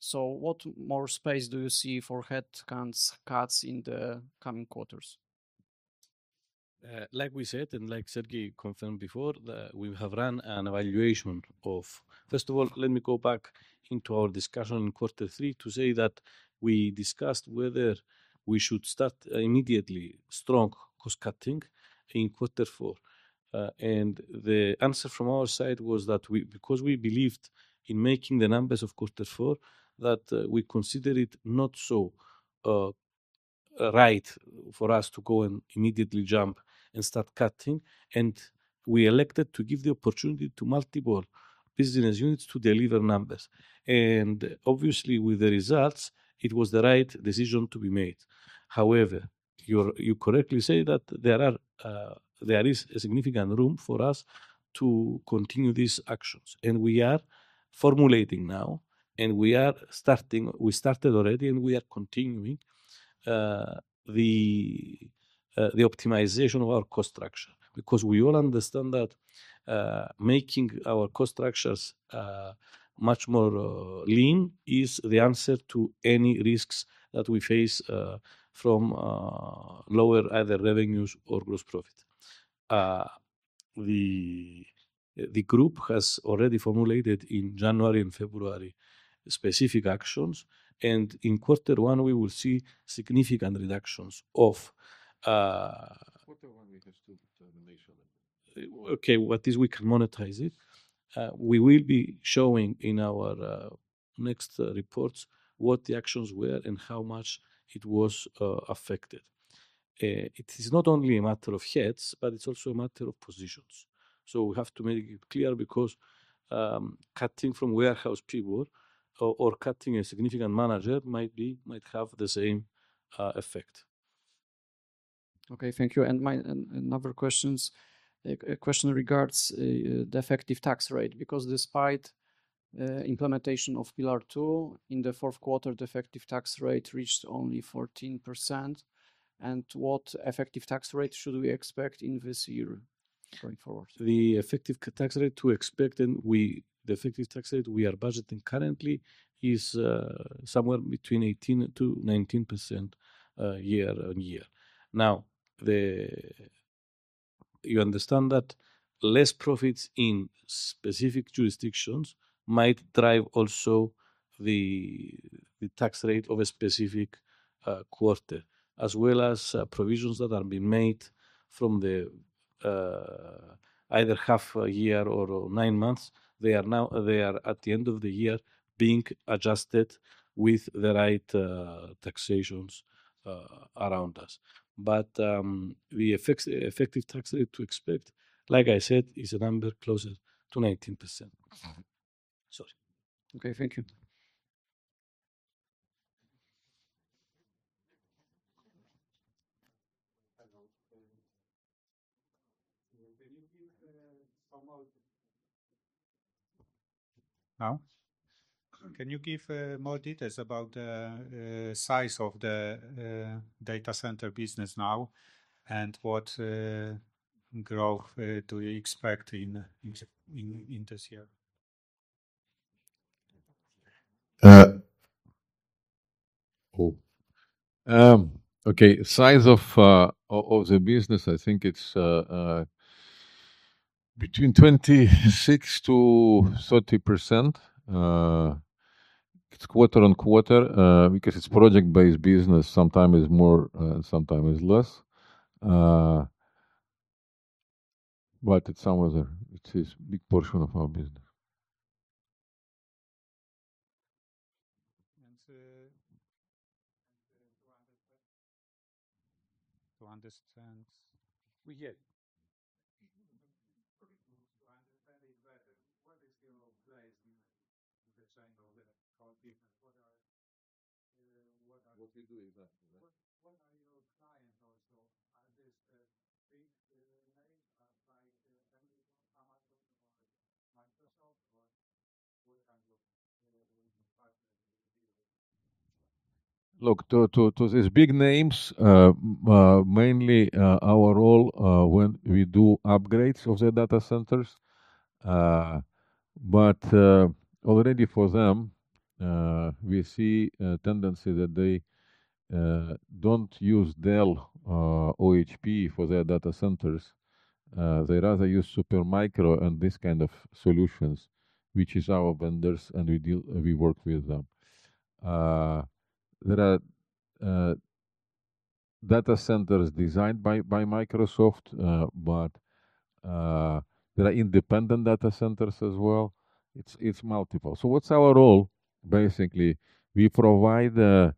So what more space do you see for headcount cuts in the coming quarters? Like we said, and like Serhei confirmed before, we have run an evaluation of, first of all, let me go back into our discussion in quarter three to say that we discussed whether we should start immediately strong cost cutting in quarter four. And the answer from our side was that because we believed in making the numbers of quarter four, that we considered it not so right for us to go and immediately jump and start cutting. And we elected to give the opportunity to multiple business units to deliver numbers. And obviously, with the results, it was the right decision to be made. However, you correctly say that there is significant room for us to continue these actions. We are formulating now, and we are starting, we started already, and we are continuing the optimization of our cost structure because we all understand that making our cost structures much more lean is the answer to any risks that we face from lower either revenues or gross profit. The group has already formulated in January and February specific actions. In quarter one, we will see significant reductions of. Quarter one, we have to make sure. Okay, what is we can monetize it. We will be showing in our next reports what the actions were and how much it was affected. It is not only a matter of heads, but it's also a matter of positions. So we have to make it clear because cutting from warehouse people or cutting a significant manager might have the same effect. Okay, thank you. My another question, a question regards the effective tax rate, because despite implementation of Pillar Two, in the fourth quarter, the effective tax rate reached only 14%. What effective tax rate should we expect in this year going forward? The effective tax rate to expect, and the effective tax rate we are budgeting currently is somewhere between 18%-19% year-on-year. Now, you understand that less profits in specific jurisdictions might drive also the tax rate of a specific quarter, as well as provisions that are being made from either half-a-year or nine months. They are now, they are at the end of the year being adjusted with the right taxations around us. But the effective tax rate to expect, like I said, is a number closer to 19%. Sorry. Okay, thank you. Can you give more details about the size of the data center business now and what growth do you expect in this year? Okay, size of the business, I think it's between 26%-30%. It's quarter on quarter because it's project-based business. Sometimes it's more, sometimes it's less. But it's somewhere, it's a big portion of our business. Look, to these big names, mainly our role when we do upgrades of the data centers. But already for them, we see a tendency that they don't use Dell or HP for their data centers. They rather use Supermicro and these kinds of solutions, which is our vendors and we work with them. There are data centers designed by Microsoft, but there are independent data centers as well. It's multiple. So what's our role? Basically, we provide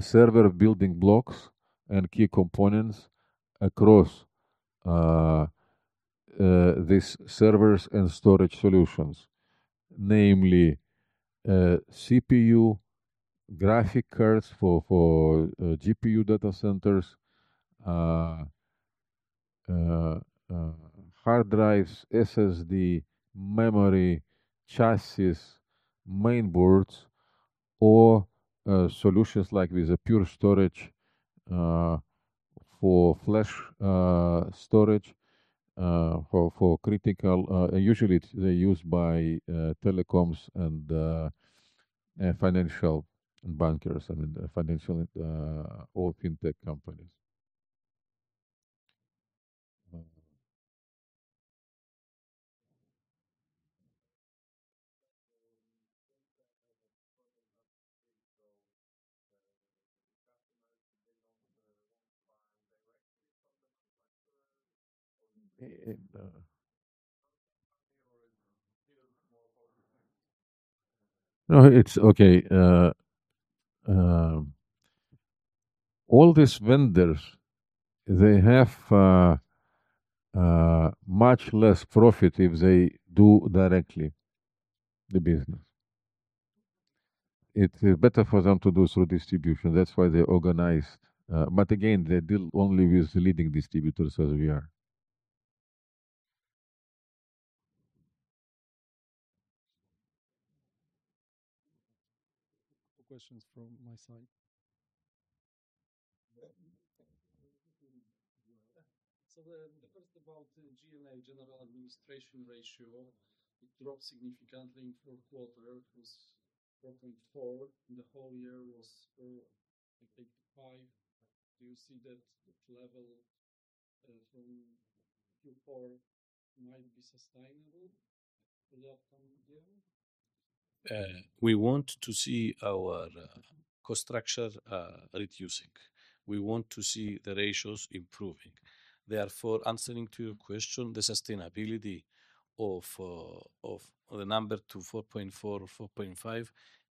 server building blocks and key components across these servers and storage solutions, namely CPU, graphics cards for GPU data centers, hard drives, SSD, memory, chassis, mainboards, or solutions like with Pure Storage for flash storage for critical. Usually, they're used by telecoms and financial bankers, I mean, financial or fintech companies. No, it's okay. All these vendors, they have much less profit if they do directly the business. It is better for them to do through distribution. That's why they organize. But again, they deal only with leading distributors as we are. Two questions from my side. So the first about G&A general administration ratio, it dropped significantly in fourth quarter, was 4.4%. The whole year was 4.5%. Do you see that level from Q4 might be sustainable? We want to see our cost structure reducing. We want to see the ratios improving. Therefore, answering to your question, the sustainability of the number to 4.4% or 4.5%,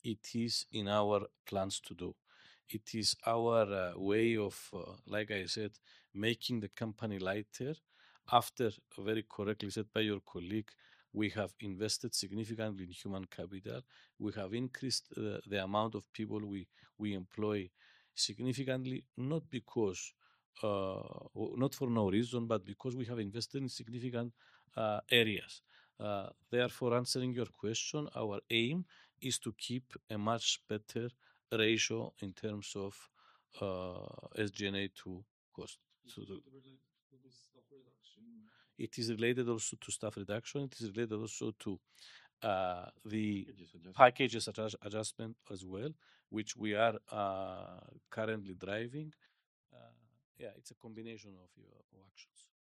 it is in our plans to do. It is our way of, like I said, making the company lighter. After, very correctly said by your colleague, we have invested significantly in human capital. We have increased the amount of people we employ significantly, not for no reason, but because we have invested in significant areas. Therefore, answering your question, our aim is to keep a much better ratio in terms of SG&A to cost. It is related also to staff reduction. It is related also to the package adjustment as well, which we are currently driving. Yeah, it's a combination of actions.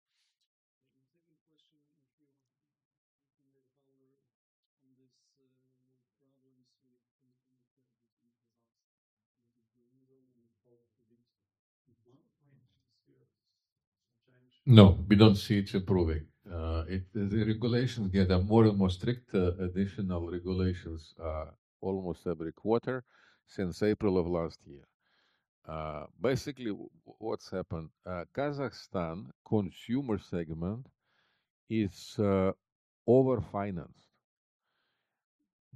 No, we don't see it improving. The regulations get more and more strict, additional regulations almost every quarter since April of last year. Basically, what's happened? Kazakhstan consumer segment is over-financed.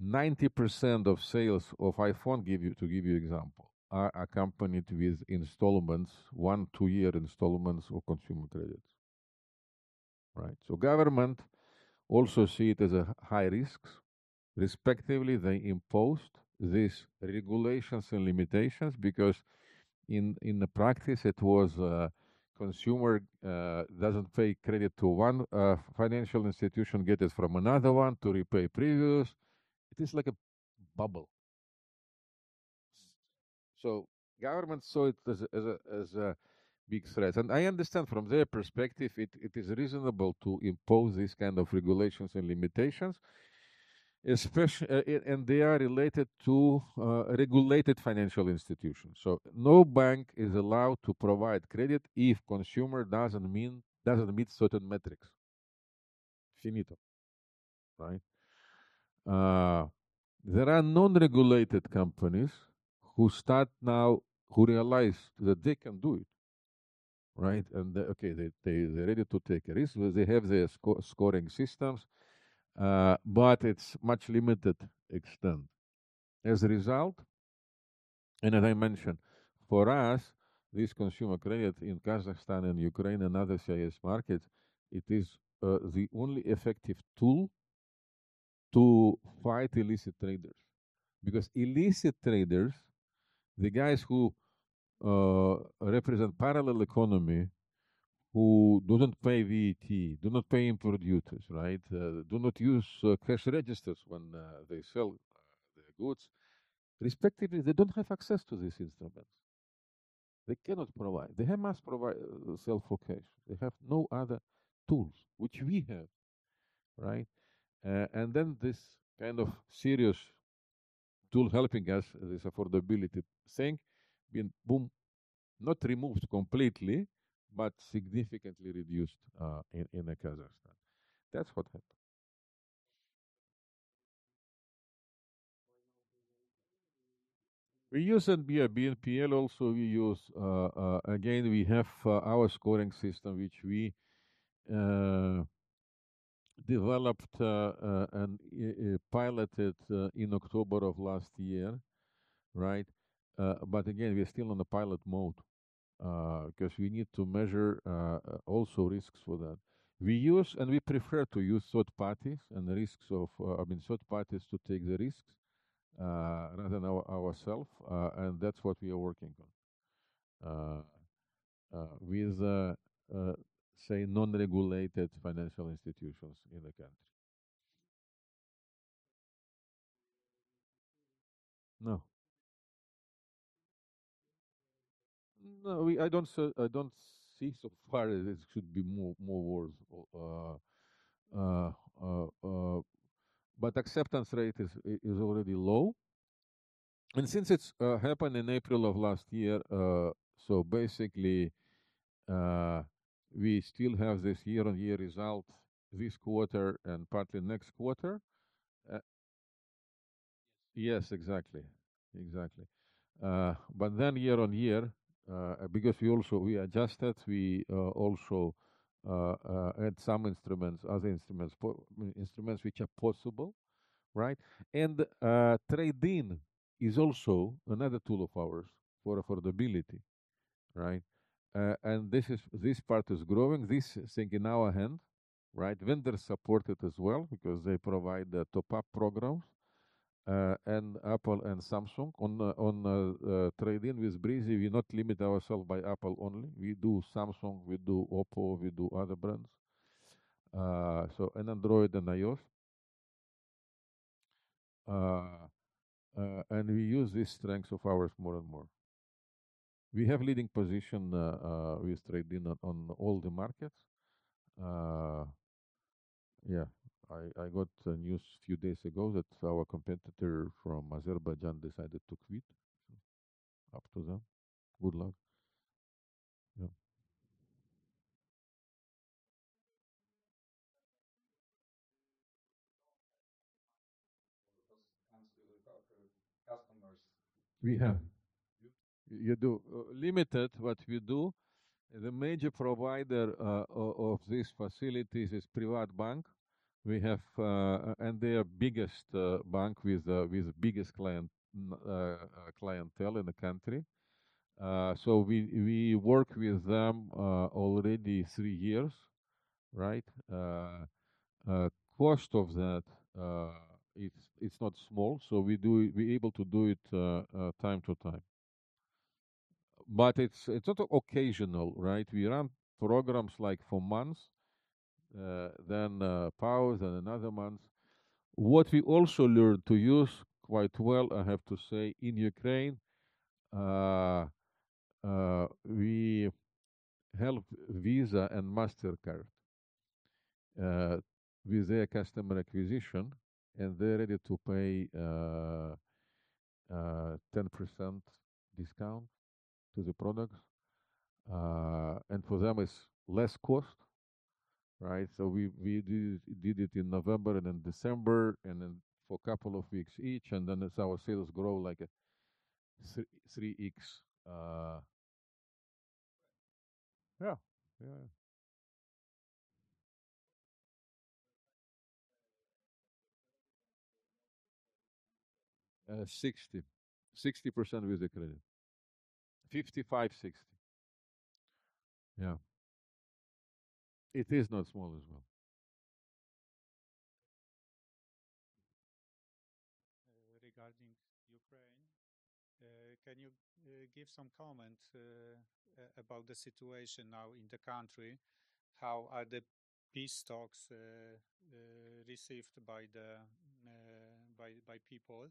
90% of sales of iPhone, to give you an example, are accompanied with installments, one-two-year installments of consumer credits. Right? So government also sees it as a high risk. Respectively, they imposed these regulations and limitations because in the practice, it was consumer doesn't pay credit to one financial institution, gets it from another one to repay previous. It is like a bubble. So government saw it as a big threat, and I understand from their perspective, it is reasonable to impose these kinds of regulations and limitations, and they are related to regulated financial institutions. So no bank is allowed to provide credit if consumer doesn't meet certain metrics. Right? There are non-regulated companies who start now, who realize that they can do it. Right? And okay, they're ready to take a risk. They have their scoring systems, but it's a much limited extent. As a result, and as I mentioned, for us, this consumer credit in Kazakhstan and Ukraine and other CIS markets, it is the only effective tool to fight illicit traders. Because illicit traders, the guys who represent parallel economy, who do not pay VAT, do not pay import duties, right? Do not use cash registers when they sell their goods. Respectively, they don't have access to these instruments. They cannot provide. They must provide [self-financing]. They have no other tools, which we have. Right? And then this kind of serious tool helping us, this affordability thing, been boom, not removed completely, but significantly reduced in Kazakhstan. That's what happened. We use NBFI, BNPL also. We use, again, we have our scoring system, which we developed and piloted in October of last year. Right? But again, we're still in the pilot mode because we need to measure also risks for that. We use and we prefer to use third parties and the risks of, I mean, third parties to take the risks rather than ourself. And that's what we are working on with, say, non-regulated financial institutions in the country. No. No, I don't see so far that it should be more worth. But acceptance rate is already low. And since it's happened in April of last year, so basically, we still have this year-on-year result this quarter and partly next quarter. Yes, exactly. Exactly. But then year-on-year, because we also adjusted, we also add some instruments, other instruments, instruments which are possible. Right? And Trade-In is also another tool of ours for affordability. Right? And this part is growing. This thing in our hand, right? Vendors support it as well because they provide the top-up programs. And Apple and Samsung on Trade-In with Breezy, we not limit ourselves by Apple only. We do Samsung, we do Oppo, we do other brands. So Android and iOS. And we use these strengths of ours more and more. We have leading position with Trade-In on all the markets. Yeah, I got the news a few days ago that our competitor from Azerbaijan decided to quit. Up to them. Good luck. We have. You do. Limited what we do. The major provider of these facilities is a private bank. We have and they are the biggest bank with the biggest clientele in the country. So we work with them already three years. Right? Cost of that, it's not small. So we're able to do it time to time. But it's sort of occasional, right? We run programs like for months, then pause and another month. What we also learned to use quite well, I have to say, in Ukraine, we help Visa and Mastercard with their customer acquisition, and they're ready to pay 10% discount to the products. And for them, it's less cost. Right? So we did it in November and in December and for a couple of weeks each, and then it's our sales grow like a 3x. Yeah. Yeah. 60. 60% with the credit. 55%-60%. Yeah. It is not small as well. Regarding Ukraine, can you give some comments about the situation now in the country? How are the peace talks received by people?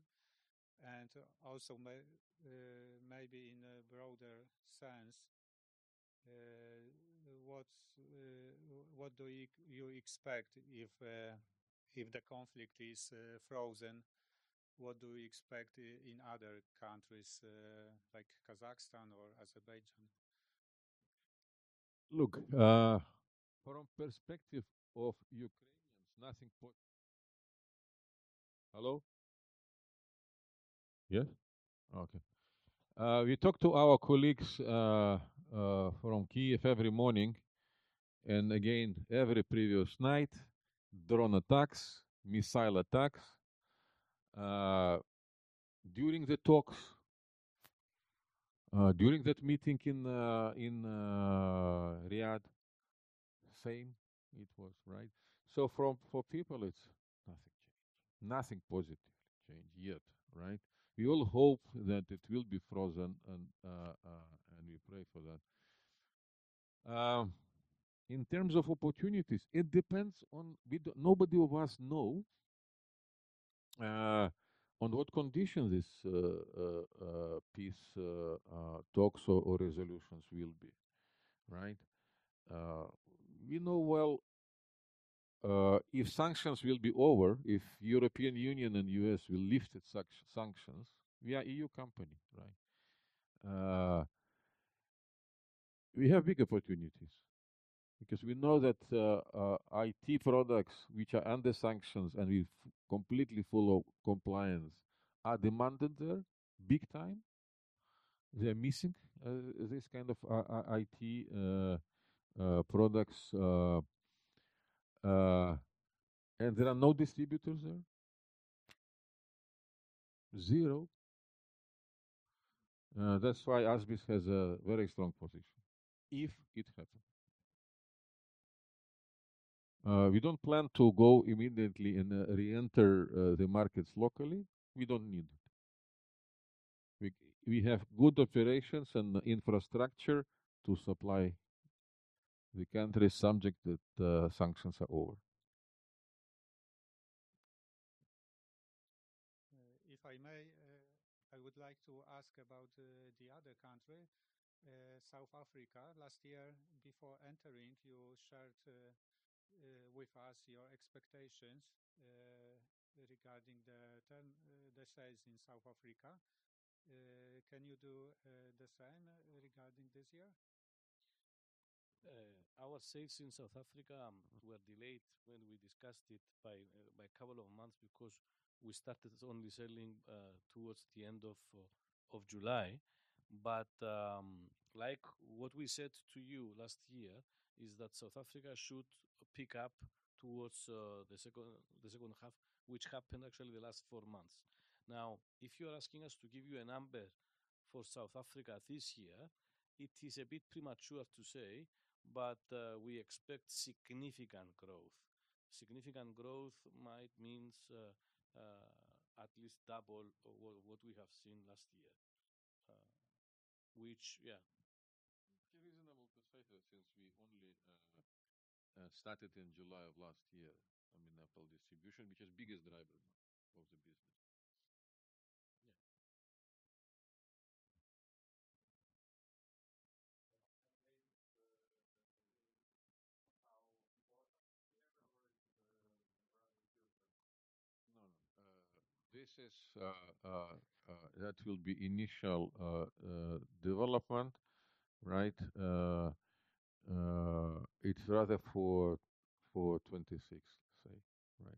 And also maybe in a broader sense, what do you expect if the conflict is frozen? What do you expect in other countries like Kazakhstan or Azerbaijan? Look. From the perspective of Ukrainians, nothing hello? Yes? Okay. We talk to our colleagues from Kyiv every morning. And again, every previous night, drone attacks, missile attacks. During the talks, during that meeting in Riyadh, same, it was, right? So for people, it's nothing changed. Nothing positively changed yet, right? We all hope that it will be frozen, and we pray for that. In terms of opportunities, it depends on nobody of us knows on what conditions this peace talks or resolutions will be, right? We know well if sanctions will be over, if the European Union and the U.S. will lift its sanctions. We are an EU company, right? We have big opportunities because we know that IT products, which are under sanctions and we completely follow compliance, are demanded there big time. They're missing this kind of IT products. And there are no distributors there. Zero. That's why ASBIS has a very strong position if it happens. We don't plan to go immediately and re-enter the markets locally. We don't need it. We have good operations and infrastructure to supply the countries subject that sanctions are over. If I may, I would like to ask about the other country, South Africa. Last year, before entering, you shared with us your expectations regarding the sales in South Africa. Can you do the same regarding this year? Our sales in South Africa were delayed when we discussed it by a couple of months because we started only selling towards the end of July. But like what we said to you last year is that South Africa should pick up towards the second half, which happened actually the last four months. Now, if you're asking us to give you a number for South Africa this year, it is a bit premature to say, but we expect significant growth. Significant growth might mean at least double what we have seen last year, which, yeah. It's a reasonable perspective since we only started in July of last year, I mean, Apple distribution, which is the biggest driver of the business. Yeah. No, no. This is that will be initial development, right? It's rather for 2026, say, right?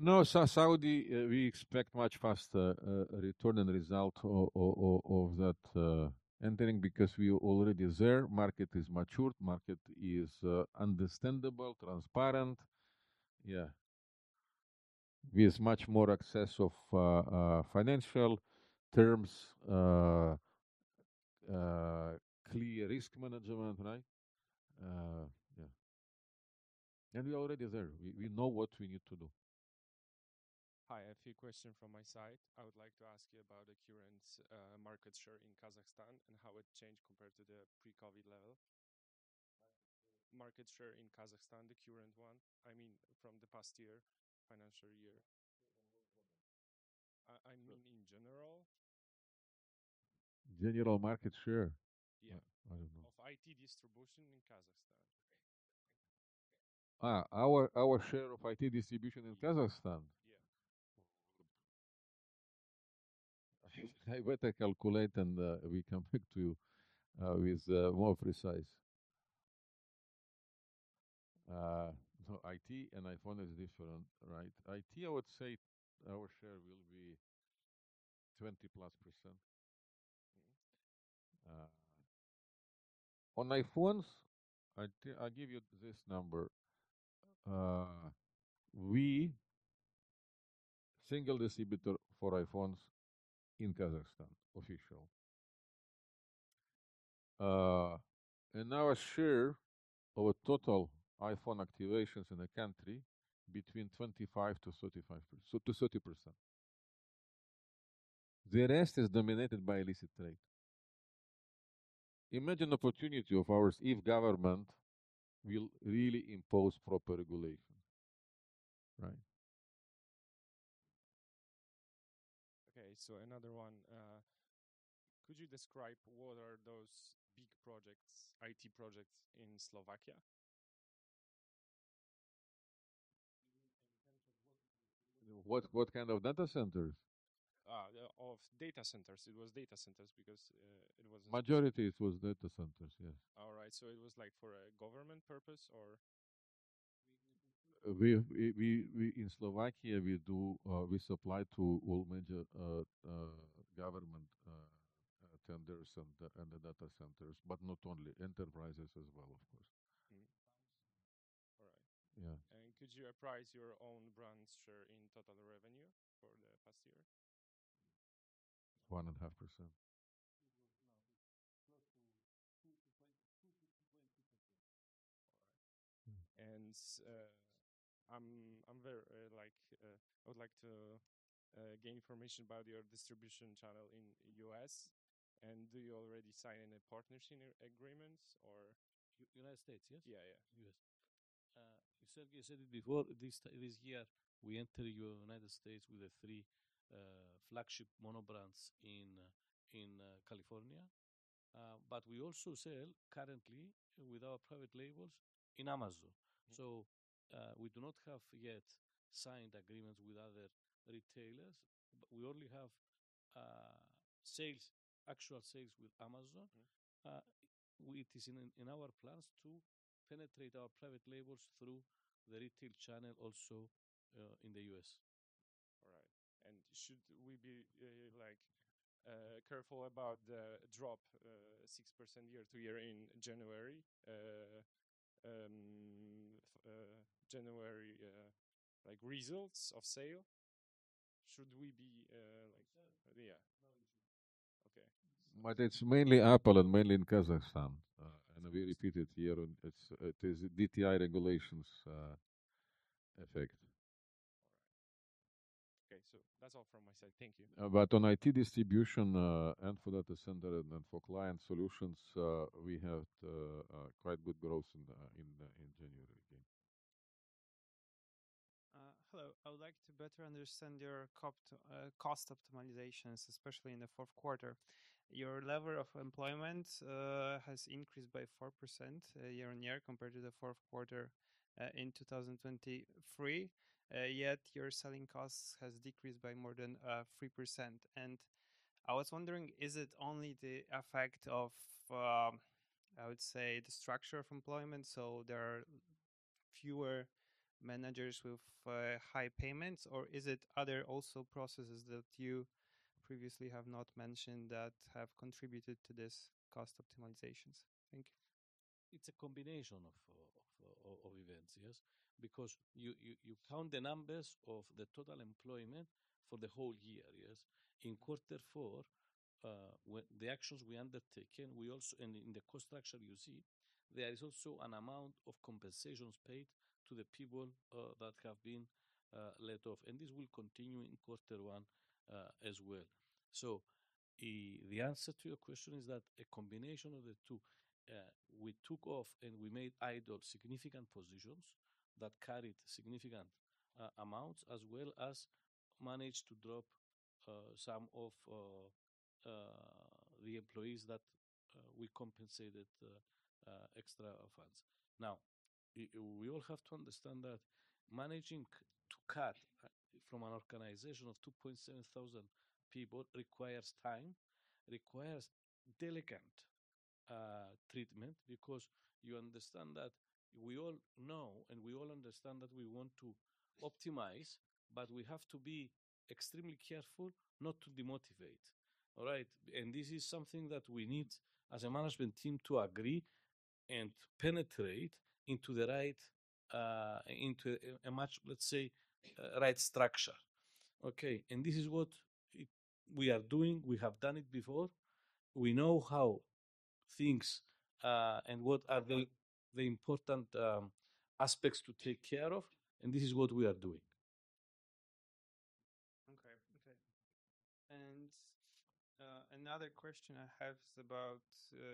No, Saudi, we expect much faster return and result of that entering because we are already there. Market is matured. Market is understandable, transparent. Yeah. With much more access of financial terms, clear risk management, right? Yeah. We're already there. We know what we need to do. Hi, a few questions from my side. I would like to ask you about the current market share in Kazakhstan and how it changed compared to the pre-COVID level. Market share in Kazakhstan, the current one, I mean, from the past year, financial year? I mean, in general? General market share? Yeah. Of IT distribution in Kazakhstan. Our share of IT distribution in Kazakhstan? Yeah. I better calculate and we come back to you with more precise IT and iPhone is different, right? IT, I would say our share will be 20%+. On iPhones, I'll give you this number. We single distributor for iPhones in Kazakhstan, official. And our share of total iPhone activations in the country between 25% to 30%. The rest is dominated by illicit trade. Imagine opportunity of ours if government will really impose proper regulation. Right? Okay, so another one. Could you describe what are those big projects, IT projects in Slovakia? What kind of data centers? Of data centers. It was data centers because it was. Majority it was data centers, yes. All right. So it was like for a government purpose or? In Slovakia, we supply to all major government tenders and the data centers, but not only enterprises as well, of course. All right. And could you appraise your own brand share in total revenue for the past year? 1.5%. All right. And I would like to gain information about your distribution channel in the U.S. And do you already sign any partnership agreements or? United States, yes? Yeah, yeah. U.S. You said it before. This year, we enter the United States with three flagship monobrands in California. But we also sell currently with our private labels in Amazon. So we do not have yet signed agreements with other retailers. We only have actual sales with Amazon. It is in our plans to penetrate our private labels through the retail channel also in the U.S. All right. And should we be careful about the drop 6% year-to-year in January? January results of sales. Should we be like? Yeah. Okay. But it's mainly Apple and mainly in Kazakhstan. And we repeat it here. It is DTI regulations effect. Okay, so that's all from my side. Thank you. But on IT distribution and for data center and then for client solutions, we had quite good growth in January again. Hello. I would like to better understand your cost optimizations, especially in the fourth quarter. Your level of employment has increased by 4% year-on-year compared to the fourth quarter in 2023. Yet your selling costs have decreased by more than 3%. And I was wondering, is it only the effect of, I would say, the structure of employment? So there are fewer managers with high payments, or is it other also processes that you previously have not mentioned that have contributed to these cost optimizations? Thank you. It's a combination of events, yes, because you count the numbers of the total employment for the whole year, yes. In quarter four, the actions we undertaken, and in the cost structure you see, there is also an amount of compensations paid to the people that have been let off. And this will continue in quarter one as well. So the answer to your question is that a combination of the two. We took off and we made idle significant positions that carried significant amounts as well as managed to drop some of the employees that we compensated extra funds. Now, we all have to understand that managing to cut from an organization of 2,700 people requires time, requires delicate treatment because you understand that we all know and we all understand that we want to optimize, but we have to be extremely careful not to demotivate. All right? And this is something that we need as a management team to agree and penetrate into the right, into a much, let's say, right structure. Okay? And this is what we are doing. We have done it before. We know how things and what are the important aspects to take care of. And this is what we are doing. Okay. Okay. Another question I have is about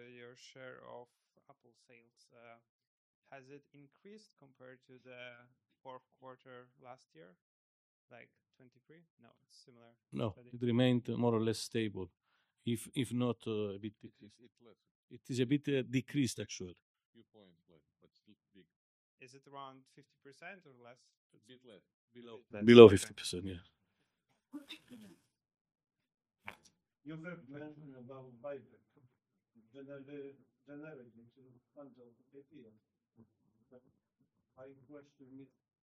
your share of Apple sales. Has it increased compared to the fourth quarter last year, like 2023? No, similar. No, it remained more or less stable. If not, a bit less. It is a bit decreased, actually. Few points, but still big. Is it around 50% or less? A bit less. Below 50%. Below 50%, yes.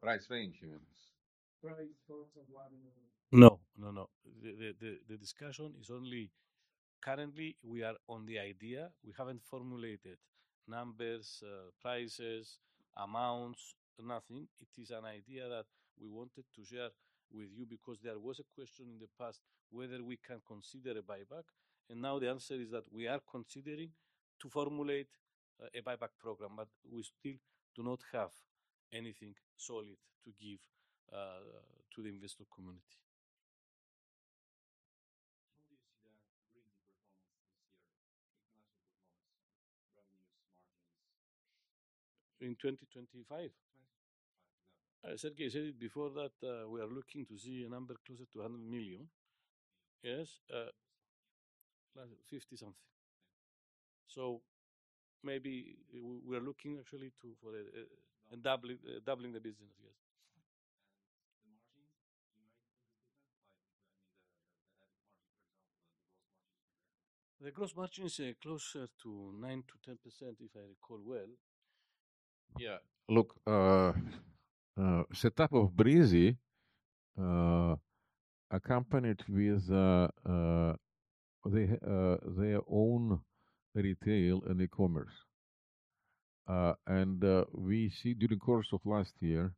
Price range? No. No, no. The discussion is only currently we are on the idea. We haven't formulated numbers, prices, amounts, nothing. It is an idea that we wanted to share with you because there was a question in the past whether we can consider a buyback. And now the answer is that we are considering to formulate a buyback program, but we still do not have anything solid to give to the investor community. How do you see that really performance this year? International performance, revenues, margins? In 2025? 2025. I said it before that we are looking to see a number closer to $100 million. Yes. 50 something. So maybe we are looking actually for doubling the business, yes. And the margins, do you know anything different? I mean, the average margin, for example, the gross margin? The gross margin is closer to 9%-10%, if I recall well. Yeah. Look, setup of Breezy, accompanied with their own retail and e-commerce. And we see during the course of last year,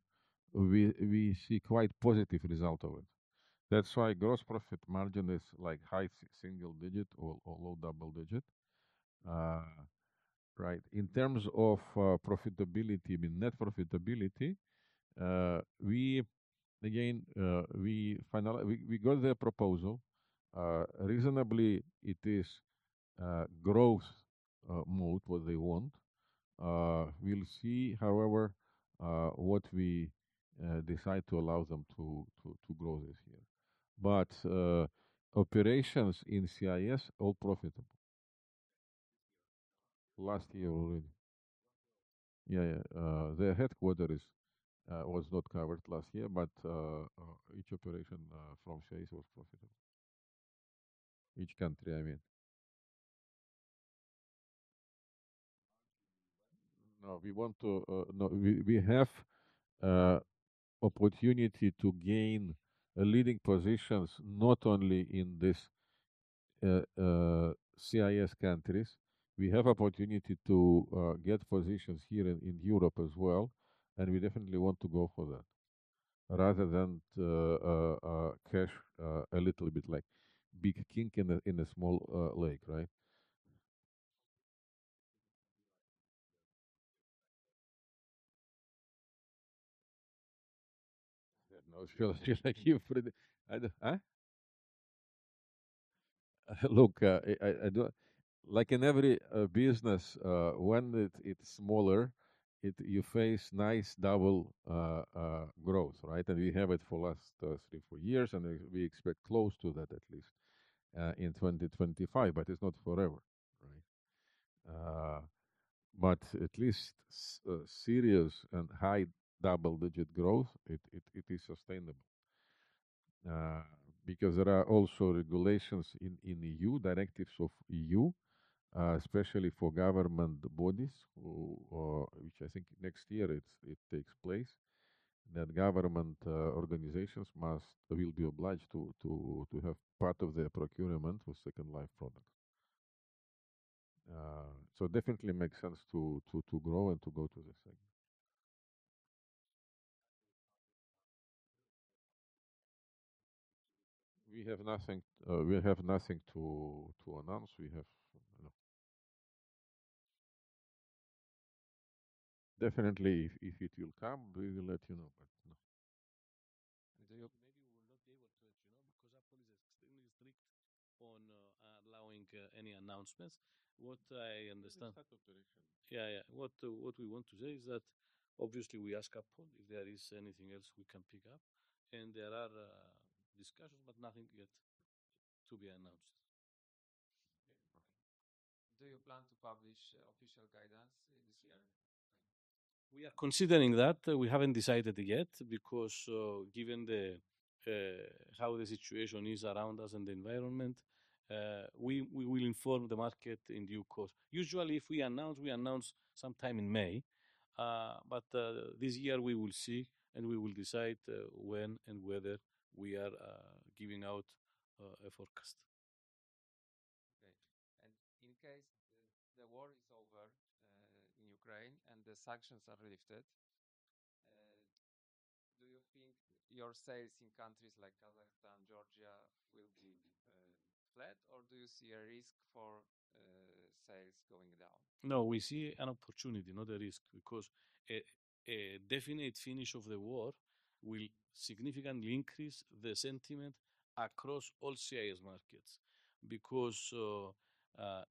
we see quite positive result of it. That's why gross profit margin is like high single digit or low double digit. Right. In terms of profitability, net profitability, again, we got their proposal. Reasonably, it is growth mode, what they want. We'll see, however, what we decide to allow them to grow this year. But operations in CIS, all profitable. Last year already. Yeah, yeah. Their headquarters was not covered last year, but each operation from CIS was profitable. Each country, I mean. No, we have opportunity to gain leading positions not only in these CIS countries. We have opportunity to get positions here in Europe as well. And we definitely want to go for that rather than cash a little bit like big king in a small lake, right? Look, like in every business, when it's smaller, you face nice double growth, right? And we have it for the last three, four years, and we expect close to that at least in 2025, but it's not forever, right? But at least serious and high double-digit growth, it is sustainable. Because there are also regulations in EU, directives of EU, especially for government bodies, which I think next year it takes place, that government organizations will be obliged to have part of their procurement for second life products. So definitely makes sense to grow and to go to the second. We have nothing to announce. We have no. Definitely, if it will come, we will let you know, but no. Maybe we will not be able to let you know because Apple is extremely strict on allowing any announcements. What I understand. Yeah, yeah. What we want to say is that obviously we ask Apple if there is anything else we can pick up. And there are discussions, but nothing yet to be announced. Do you plan to publish official guidance this year? We are considering that. We haven't decided yet because given how the situation is around us and the environment, we will inform the market in due course. Usually, if we announce, we announce sometime in May. But this year, we will see and we will decide when and whether we are giving out a forecast. Okay. And in case the war is over in Ukraine and the sanctions are lifted, do you think your sales in countries like Kazakhstan, Georgia will be flat, or do you see a risk for sales going down? No, we see an opportunity, not a risk, because a definite finish of the war will significantly increase the sentiment across all CIS markets. Because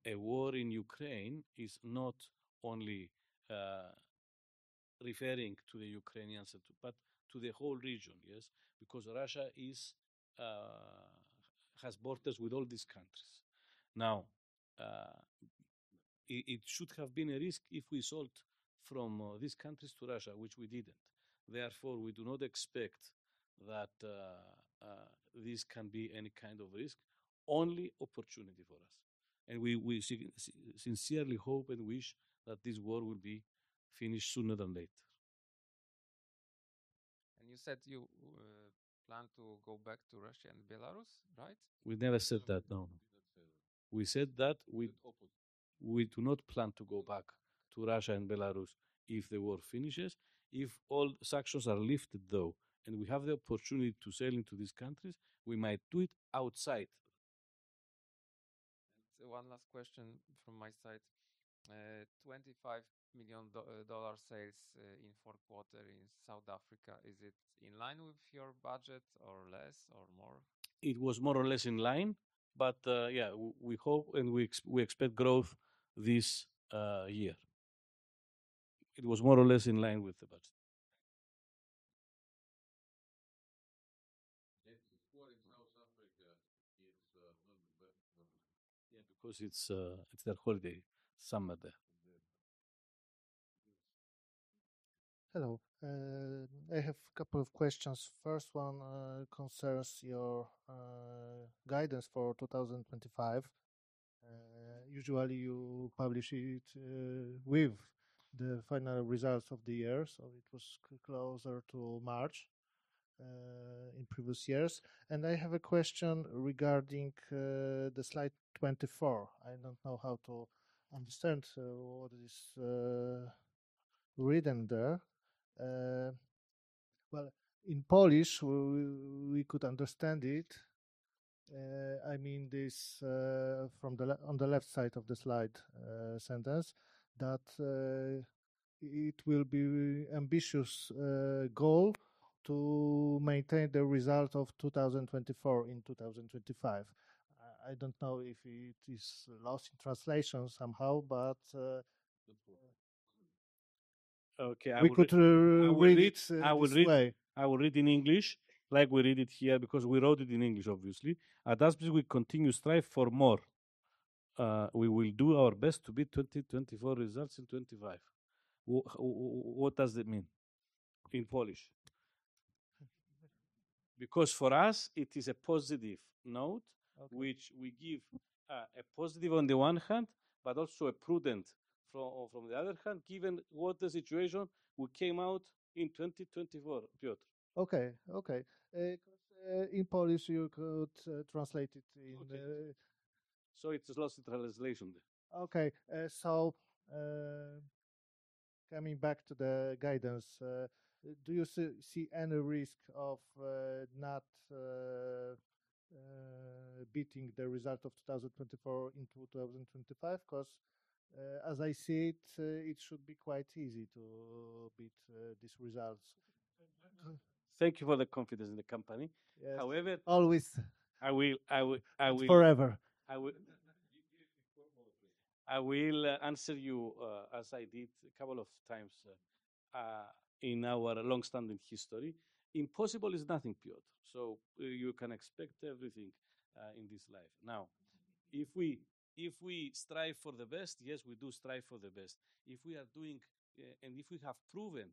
a war in Ukraine is not only referring to the Ukrainians, but to the whole region, yes? Because Russia has borders with all these countries. Now, it should have been a risk if we sold from these countries to Russia, which we didn't. Therefore, we do not expect that this can be any kind of risk. Only opportunity for us, and we sincerely hope and wish that this war will be finished sooner than later. You said you plan to go back to Russia and Belarus, right? We never said that, no. We said that we do not plan to go back to Russia and Belarus if the war finishes. If all sanctions are lifted, though, and we have the opportunity to sell into these countries, we might do it outside. One last question from my side. $25 million sales in fourth quarter in South Africa. Is it in line with your budget or less or more? It was more or less in line, but yeah, we hope and we expect growth this year. It was more or less in lin e with the budget. Because it's their holiday summer there. Hello. I have a couple of questions. First one concerns your guidance for 2025. Usually, you publish it with the final results of the year, so it was closer to March in previous years, and I have a question regarding the slide 24. I don't know how to understand what is written there, well, in Polish, we could understand it. I mean, this from the left side of the slide sentence that it will be an ambitious goal to maintain the result of 2024 in 2025. I don't know if it is lost in translation somehow, but okay, I will read it this way. I will read it in English like we read it here because we wrote it in English, obviously. At ASBIS, we continue to strive for more. We will do our best to beat 2024 results in 2025. What does it mean in Polish? Because for us, it is a positive note, which we give a positive on the one hand, but also a prudent from the other hand, given what the situation we came out in 2024. Okay, okay. In Polish, you could translate it in. So it's a lost in translation there. Okay. So coming back to the guidance, do you see any risk of not beating the result of 2024 into 2025? Because as I see it, it should be quite easy to beat these results. Thank you for the confidence in the company. However. Always. I will. Forever. I will answer you as I did a couple of times in our long-standing history. Impossible is nothing. So you can expect everything in this life. Now, if we strive for the best, yes, we do strive for the best. If we are doing, and if we have proven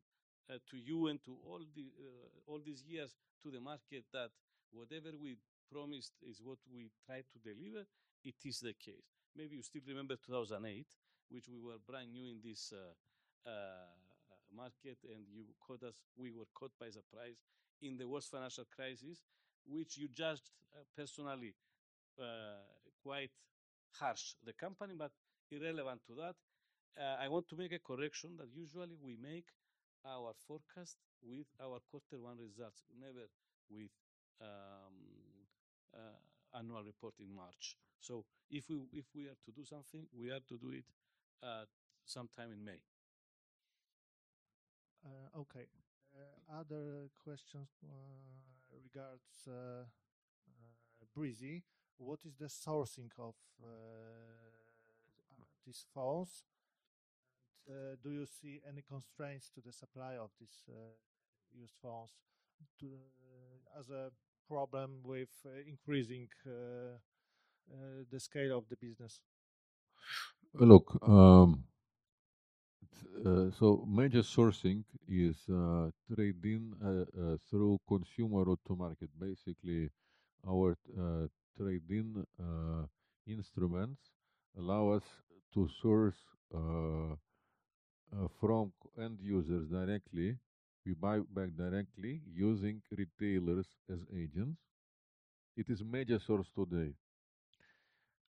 to you and to all these years to the market that whatever we promised is what we tried to deliver, it is the case. Maybe you still remember 2008, which we were brand new in this market, and you caught us. We were caught by surprise in the worst financial crisis, which you judged personally quite harsh, the company, but irrelevant to that. I want to make a correction that usually we make our forecast with our quarter one results, never with annual report in March. So if we are to do something, we are to do it sometime in May. Okay. Other questions regarding Breezy. What is the sourcing of these phones? Do you see any constraints to the supply of these used phones as a problem with increasing the scale of the business? Look, so major sourcing is Trade-In through consumer to market. Basically, our Trade-In instruments allow us to source from end users directly. We buy back directly using retailers as agents. It is major source today.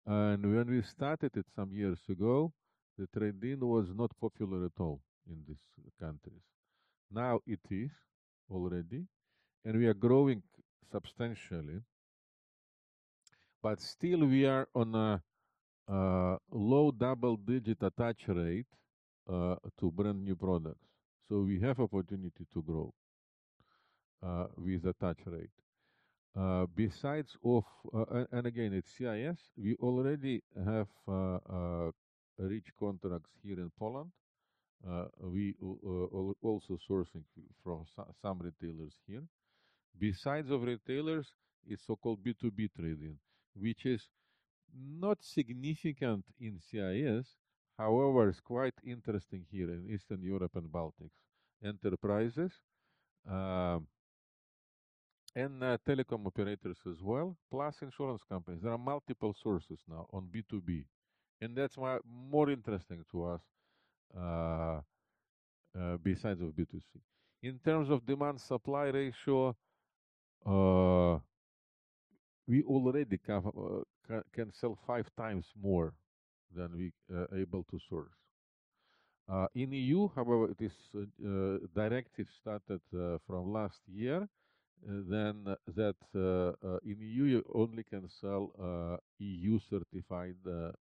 And when we started it some years ago, the Trade-In was not popular at all in these countries. Now it is already, and we are growing substantially. But still, we are on a low double-digit attach rate to brand new products. So we have opportunity to grow with attach rate. Besides, and again, it's CIS, we already have rich contracts here in Poland. We are also sourcing from some retailers here. Besides retailers, it's so-called B2B Trade-In, which is not significant in CIS. However, it's quite interesting here in Eastern Europe and Baltics. Enterprises and telecom operators as well, plus insurance companies. There are multiple sources now on B2B. And that's more interesting to us besides of B2C. In terms of demand-supply ratio, we already can sell five times more than we are able to source. In EU, however, this directive started from last year. Then that in EU, you only can sell EU-certified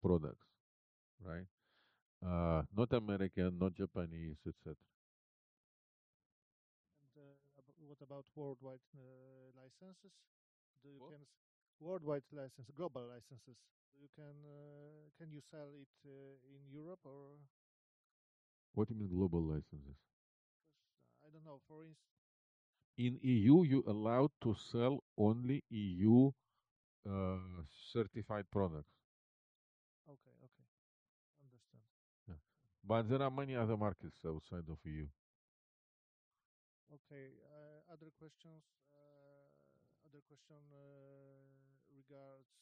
products, right? Not American, not Japanese, etc. And what about worldwide licenses? Do you can global licenses? Can you sell it in Europe or? What do you mean global licenses? I don't know. For instance. In EU, you're allowed to sell only EU-certified products. Okay, okay. Understood. But there are many other markets outside of EU. Okay. Other questions? Other question regards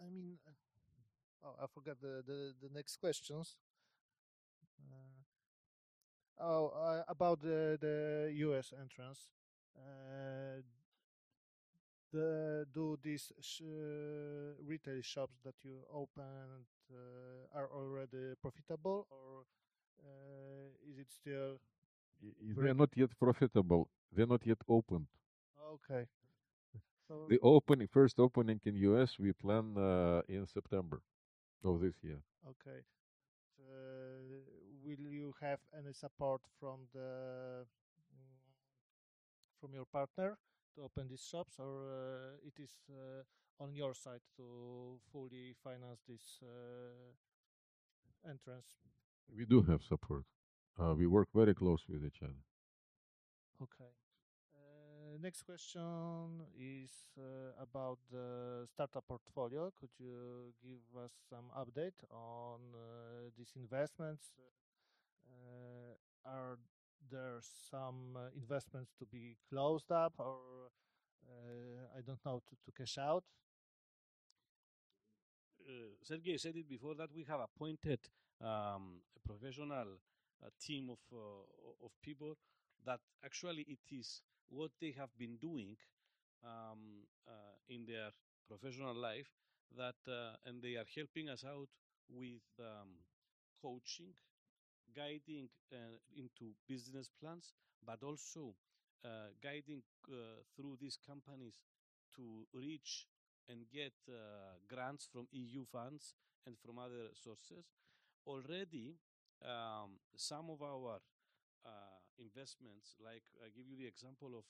I mean, I forgot the next questions. Oh, about the US entrance. Do these retail shops that you opened are already profitable, or is it still? They're not yet profitable. They're not yet opened. Okay. The first opening in the U.S., we plan in September of this year. Okay. Will you have any support from your partner to open these shops, or it is on your side to fully finance this entrance? We do have support. We work very close with each other. Okay. Next question is about the startup portfolio. Could you give us some update on these investments? Are there some investments to be closed up, or I don't know, to cash out? Serhei said it before that we have appointed a professional team of people that actually it is what they have been doing in their professional life, and they are helping us out with coaching, guiding into business plans, but also guiding through these companies to reach and get grants from EU funds and from other sources. Already, some of our investments, like I give you the example of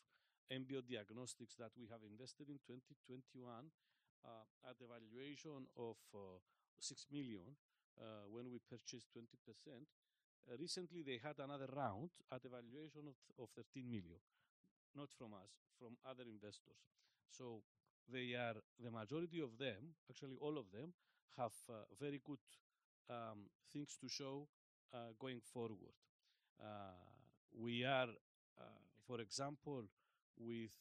EMBIO Diagnostics that we have invested in 2021 at the valuation of $6 million when we purchased 20%. Recently, they had another round at the valuation of $13 million, not from us, from other investors. So the majority of them, actually all of them, have very good things to show going forward. We are, for example, with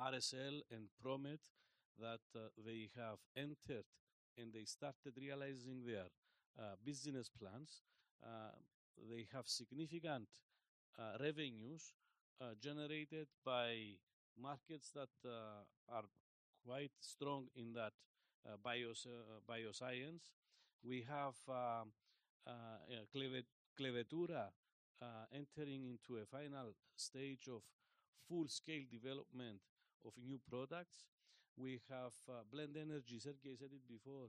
RSL and Promed that they have entered and they started realizing their business plans. They have significant revenues generated by markets that are quite strong in that bioscience. We have Clevetura entering into a final stage of full-scale development of new products. We have Blend Energy. Serhei said it before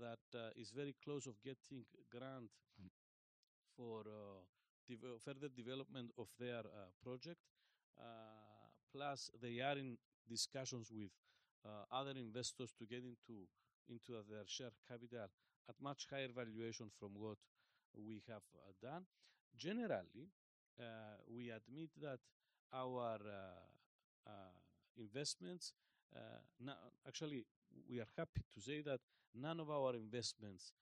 that is very close to getting grant for further development of their project. Plus, they are in discussions with other investors to get into their share capital at much higher valuation from what we have done. Generally, we admit that our investments actually, we are happy to say that none of our investments,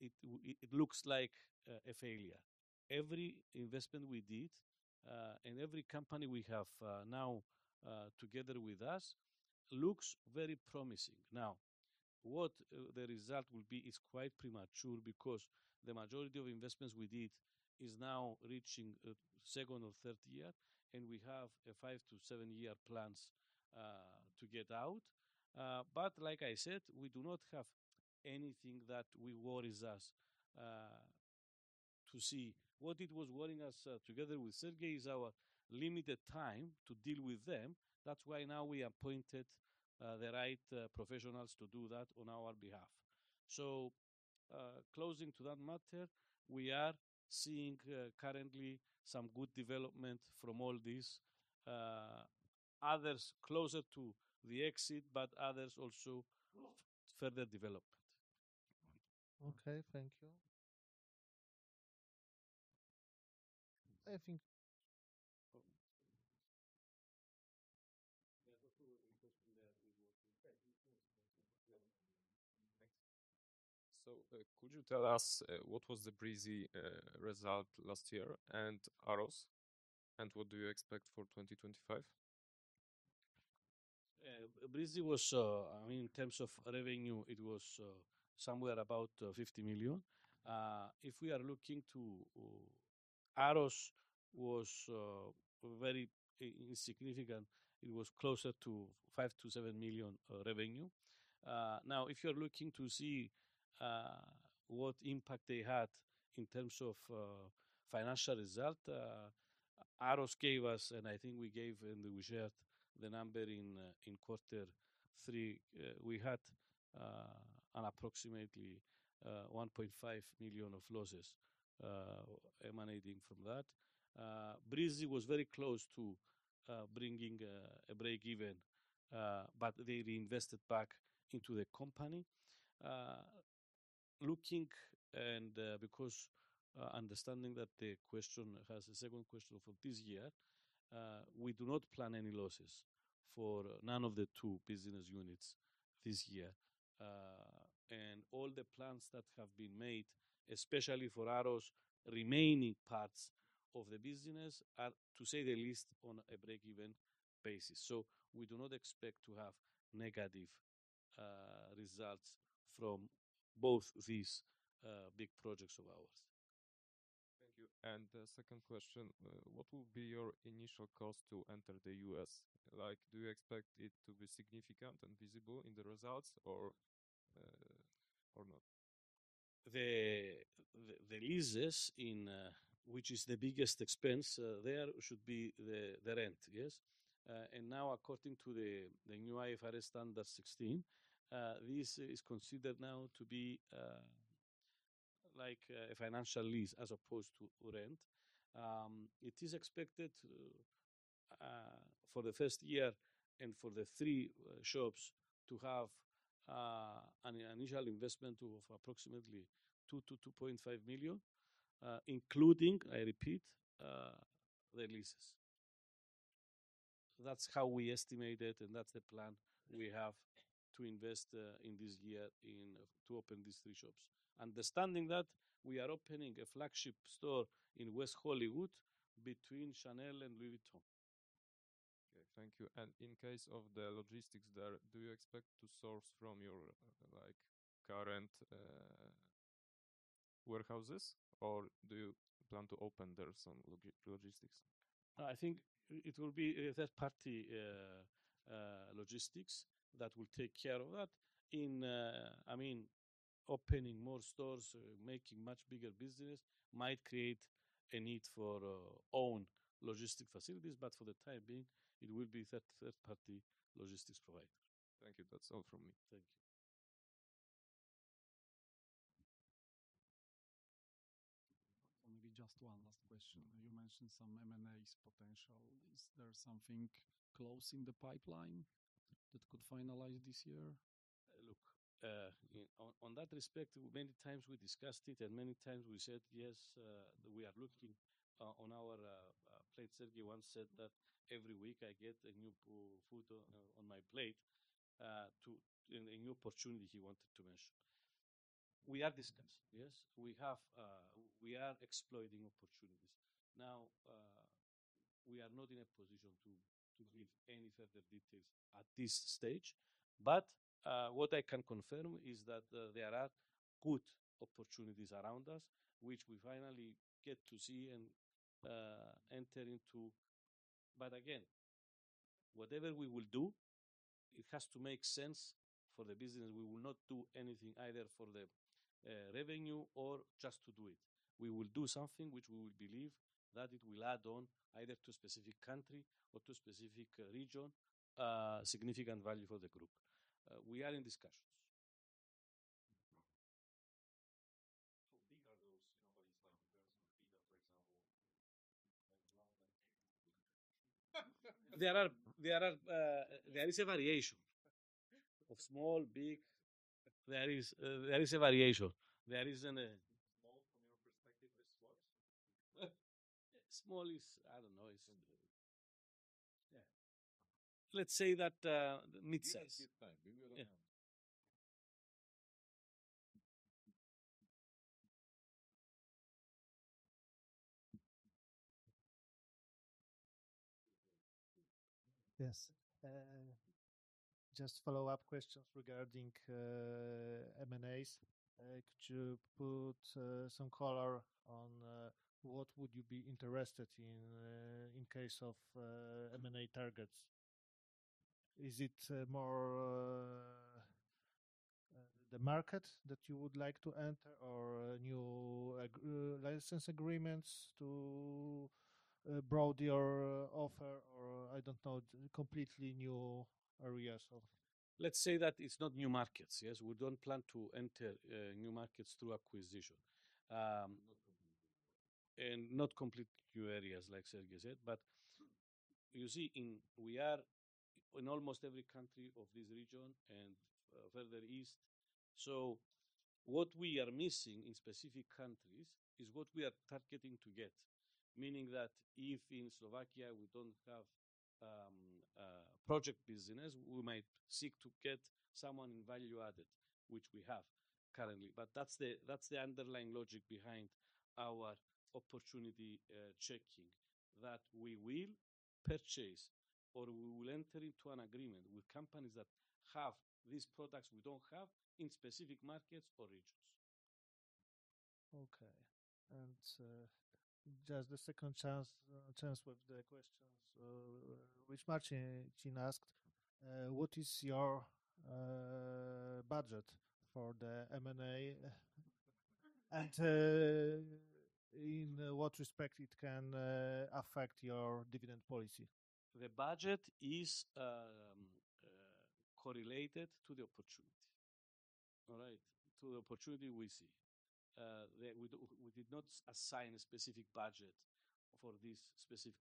it looks like a failure. Every investment we did and every company we have now together with us looks very promising. Now, what the result will be is quite premature because the majority of investments we did is now reaching second or third year, and we have five- to seven-year plans to get out. But like I said, we do not have anything that worries us to see. What it was worrying us together with Serhei is our limited time to deal with them. That's why now we appointed the right professionals to do that on our behalf. So closing to that matter, we are seeing currently some good development from all these. Others closer to the exit, but others also further development. Okay, thank you. I think. So could you tell us what was the Breezy result last year and AROS? And what do you expect for 2025? Breezy was, I mean, in terms of revenue, it was somewhere about $50 million. If we are looking to AROS, it was very insignificant. It was closer to $5-$7 million revenue. Now, if you're looking to see what impact they had in terms of financial result, AROS gave us, and I think we gave and we shared the number in quarter three. We had approximately $1.5 million of losses emanating from that. Breezy was very close to bringing a break-even, but they reinvested back into the company. Looking and because understanding that the question has a second question for this year, we do not plan any losses for none of the two business units this year. And all the plans that have been made, especially for AROS, remaining parts of the business are to say the least on a break-even basis. So we do not expect to have negative results from both these big projects of ours. Thank you. And the second question, what will be your initial cost to enter the U.S.? Do you expect it to be significant and visible in the results or not? The leases, which is the biggest expense there, should be the rent, yes. And now, according to the new IFRS 16, this is considered now to be like a financial lease as opposed to rent. It is expected for the first year and for the three shops to have an initial investment of approximately $2-$2.5 million, including, I repeat, the leases. That's how we estimate it, and that's the plan we have to invest in this year to open these three shops. Understanding that we are opening a flagship store in West Hollywood between Chanel and Louis Vuitton. Okay, thank you. And in case of the logistics there, do you expect to source from your current warehouses, or do you plan to open there some logistics? I think it will be third-party logistics that will take care of that. I mean, opening more stores, making much bigger business might create a need for own logistics facilities, but for the time being, it will be third-party logistics providers. Thank you. That's all from me. Thank you. Maybe just one last question. You mentioned some M&A potential. Is there something in the pipeline that could finalize this year? Look, on that respect, many times we discussed it, and many times we said, yes, we are looking at our plate. Serhei once said that every week I get a new proposal on my plate, a new opportunity he wanted to mention. We are discussing, yes. We are exploiting opportunities. Now, we are not in a position to give any further details at this stage. But what I can confirm is that there are good opportunities around us, which we finally get to see and enter into. But again, whatever we will do, it has to make sense for the business. We will not do anything either for the revenue or just to do it. We will do something which we will believe that it will add on either to a specific country or to a specific region, significant value for the group. We are in discussions. How big are those companies like [Bitta] for example? There is a variation of small, big. Small, from your perspective, is what? Small is, I don't know. Yeah. Let's say that mid-size. Yes. Just follow-up questions regarding M&As. Could you put some color on what would you be interested in in case of M&A targets? Is it more the market that you would like to enter or new license agreements to broaden your offer or, I don't know, completely new areas of? Let's say that it's not new markets, yes. We don't plan to enter new markets through acquisition and not completely new areas, like Serhei said. But you see, we are in almost every country of this region and further east. So what we are missing in specific countries is what we are targeting to get, meaning that if in Slovakia we don't have project business, we might seek to get someone in value added, which we have currently. But that's the underlying logic behind our opportunity checking that we will purchase or we will enter into an agreement with companies that have these products we don't have in specific markets or regions. Okay. And just the second chance with the questions which Martin asked, what is your budget for the M&A and in what respect it can affect your dividend policy? The budget is correlated to the opportunity. All right? To the opportunity we see. We did not assign a specific budget for this specific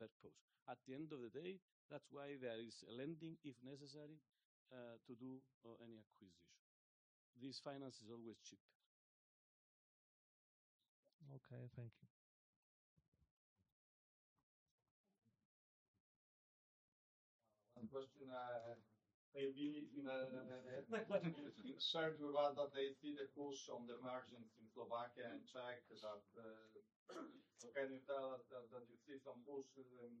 purpose. At the end of the day, that's why there is lending, if necessary, to do any acquisition. This finance is always cheaper. Okay, thank you. One question. AB they see the push on the margins in Slovakia and Czech. So can you tell us that you see some push in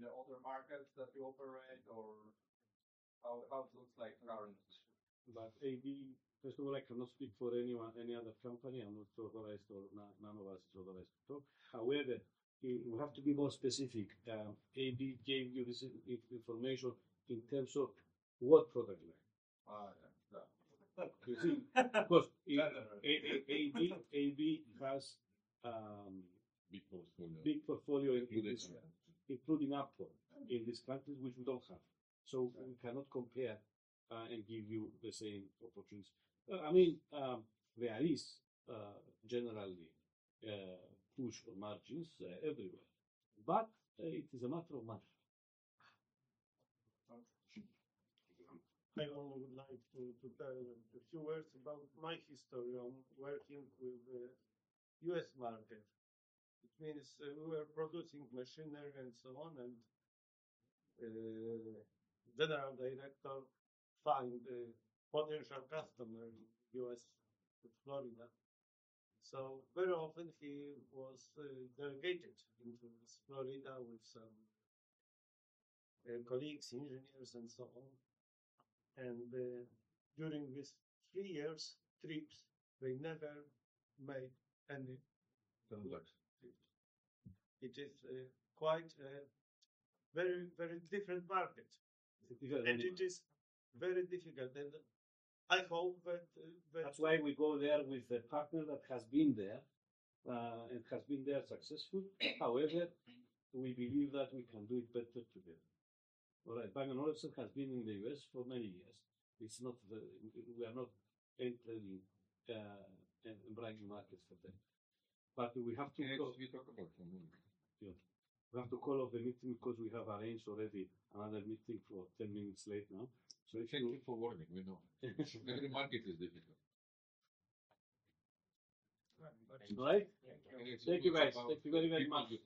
the other markets that you operate or how it looks like currently? But AB first of all, I cannot speak for any other company. I'm not authorized or none of us is authorized to talk. However, we have to be more specific. AB gave you this information in terms of what product line. You see, of course, AB has a big portfolio including Apple in this country, which we don't have. So we cannot compare and give you the same opportunities. I mean, there is generally push for margins everywhere, but it is a matter of money. I would like to tell you a few words about my history on working with the U.S. market. It means we were producing machinery and so on, and the general director found a potential customer in the U.S., Florida. So very often, he was delegated into Florida with some colleagues, engineers, and so on. And during these three years' trips, they never made any transactions. It is quite a very, very different market. It is very difficult. And I hope that. That's why we go there with a partner that has been there and has been there successfully. However, we believe that we can do it better together. All right. Bang & Olufsen has been in the U.S. for many years. We are not entering a brand new market for them. But we have to. Yes, we talk about it. We have to call off the meeting because we have arranged already another meeting for 10 minutes late now. Thank you for warning. We know. Every market is difficult. All right. Thank you. Thank you, guys. Thank you very, very much.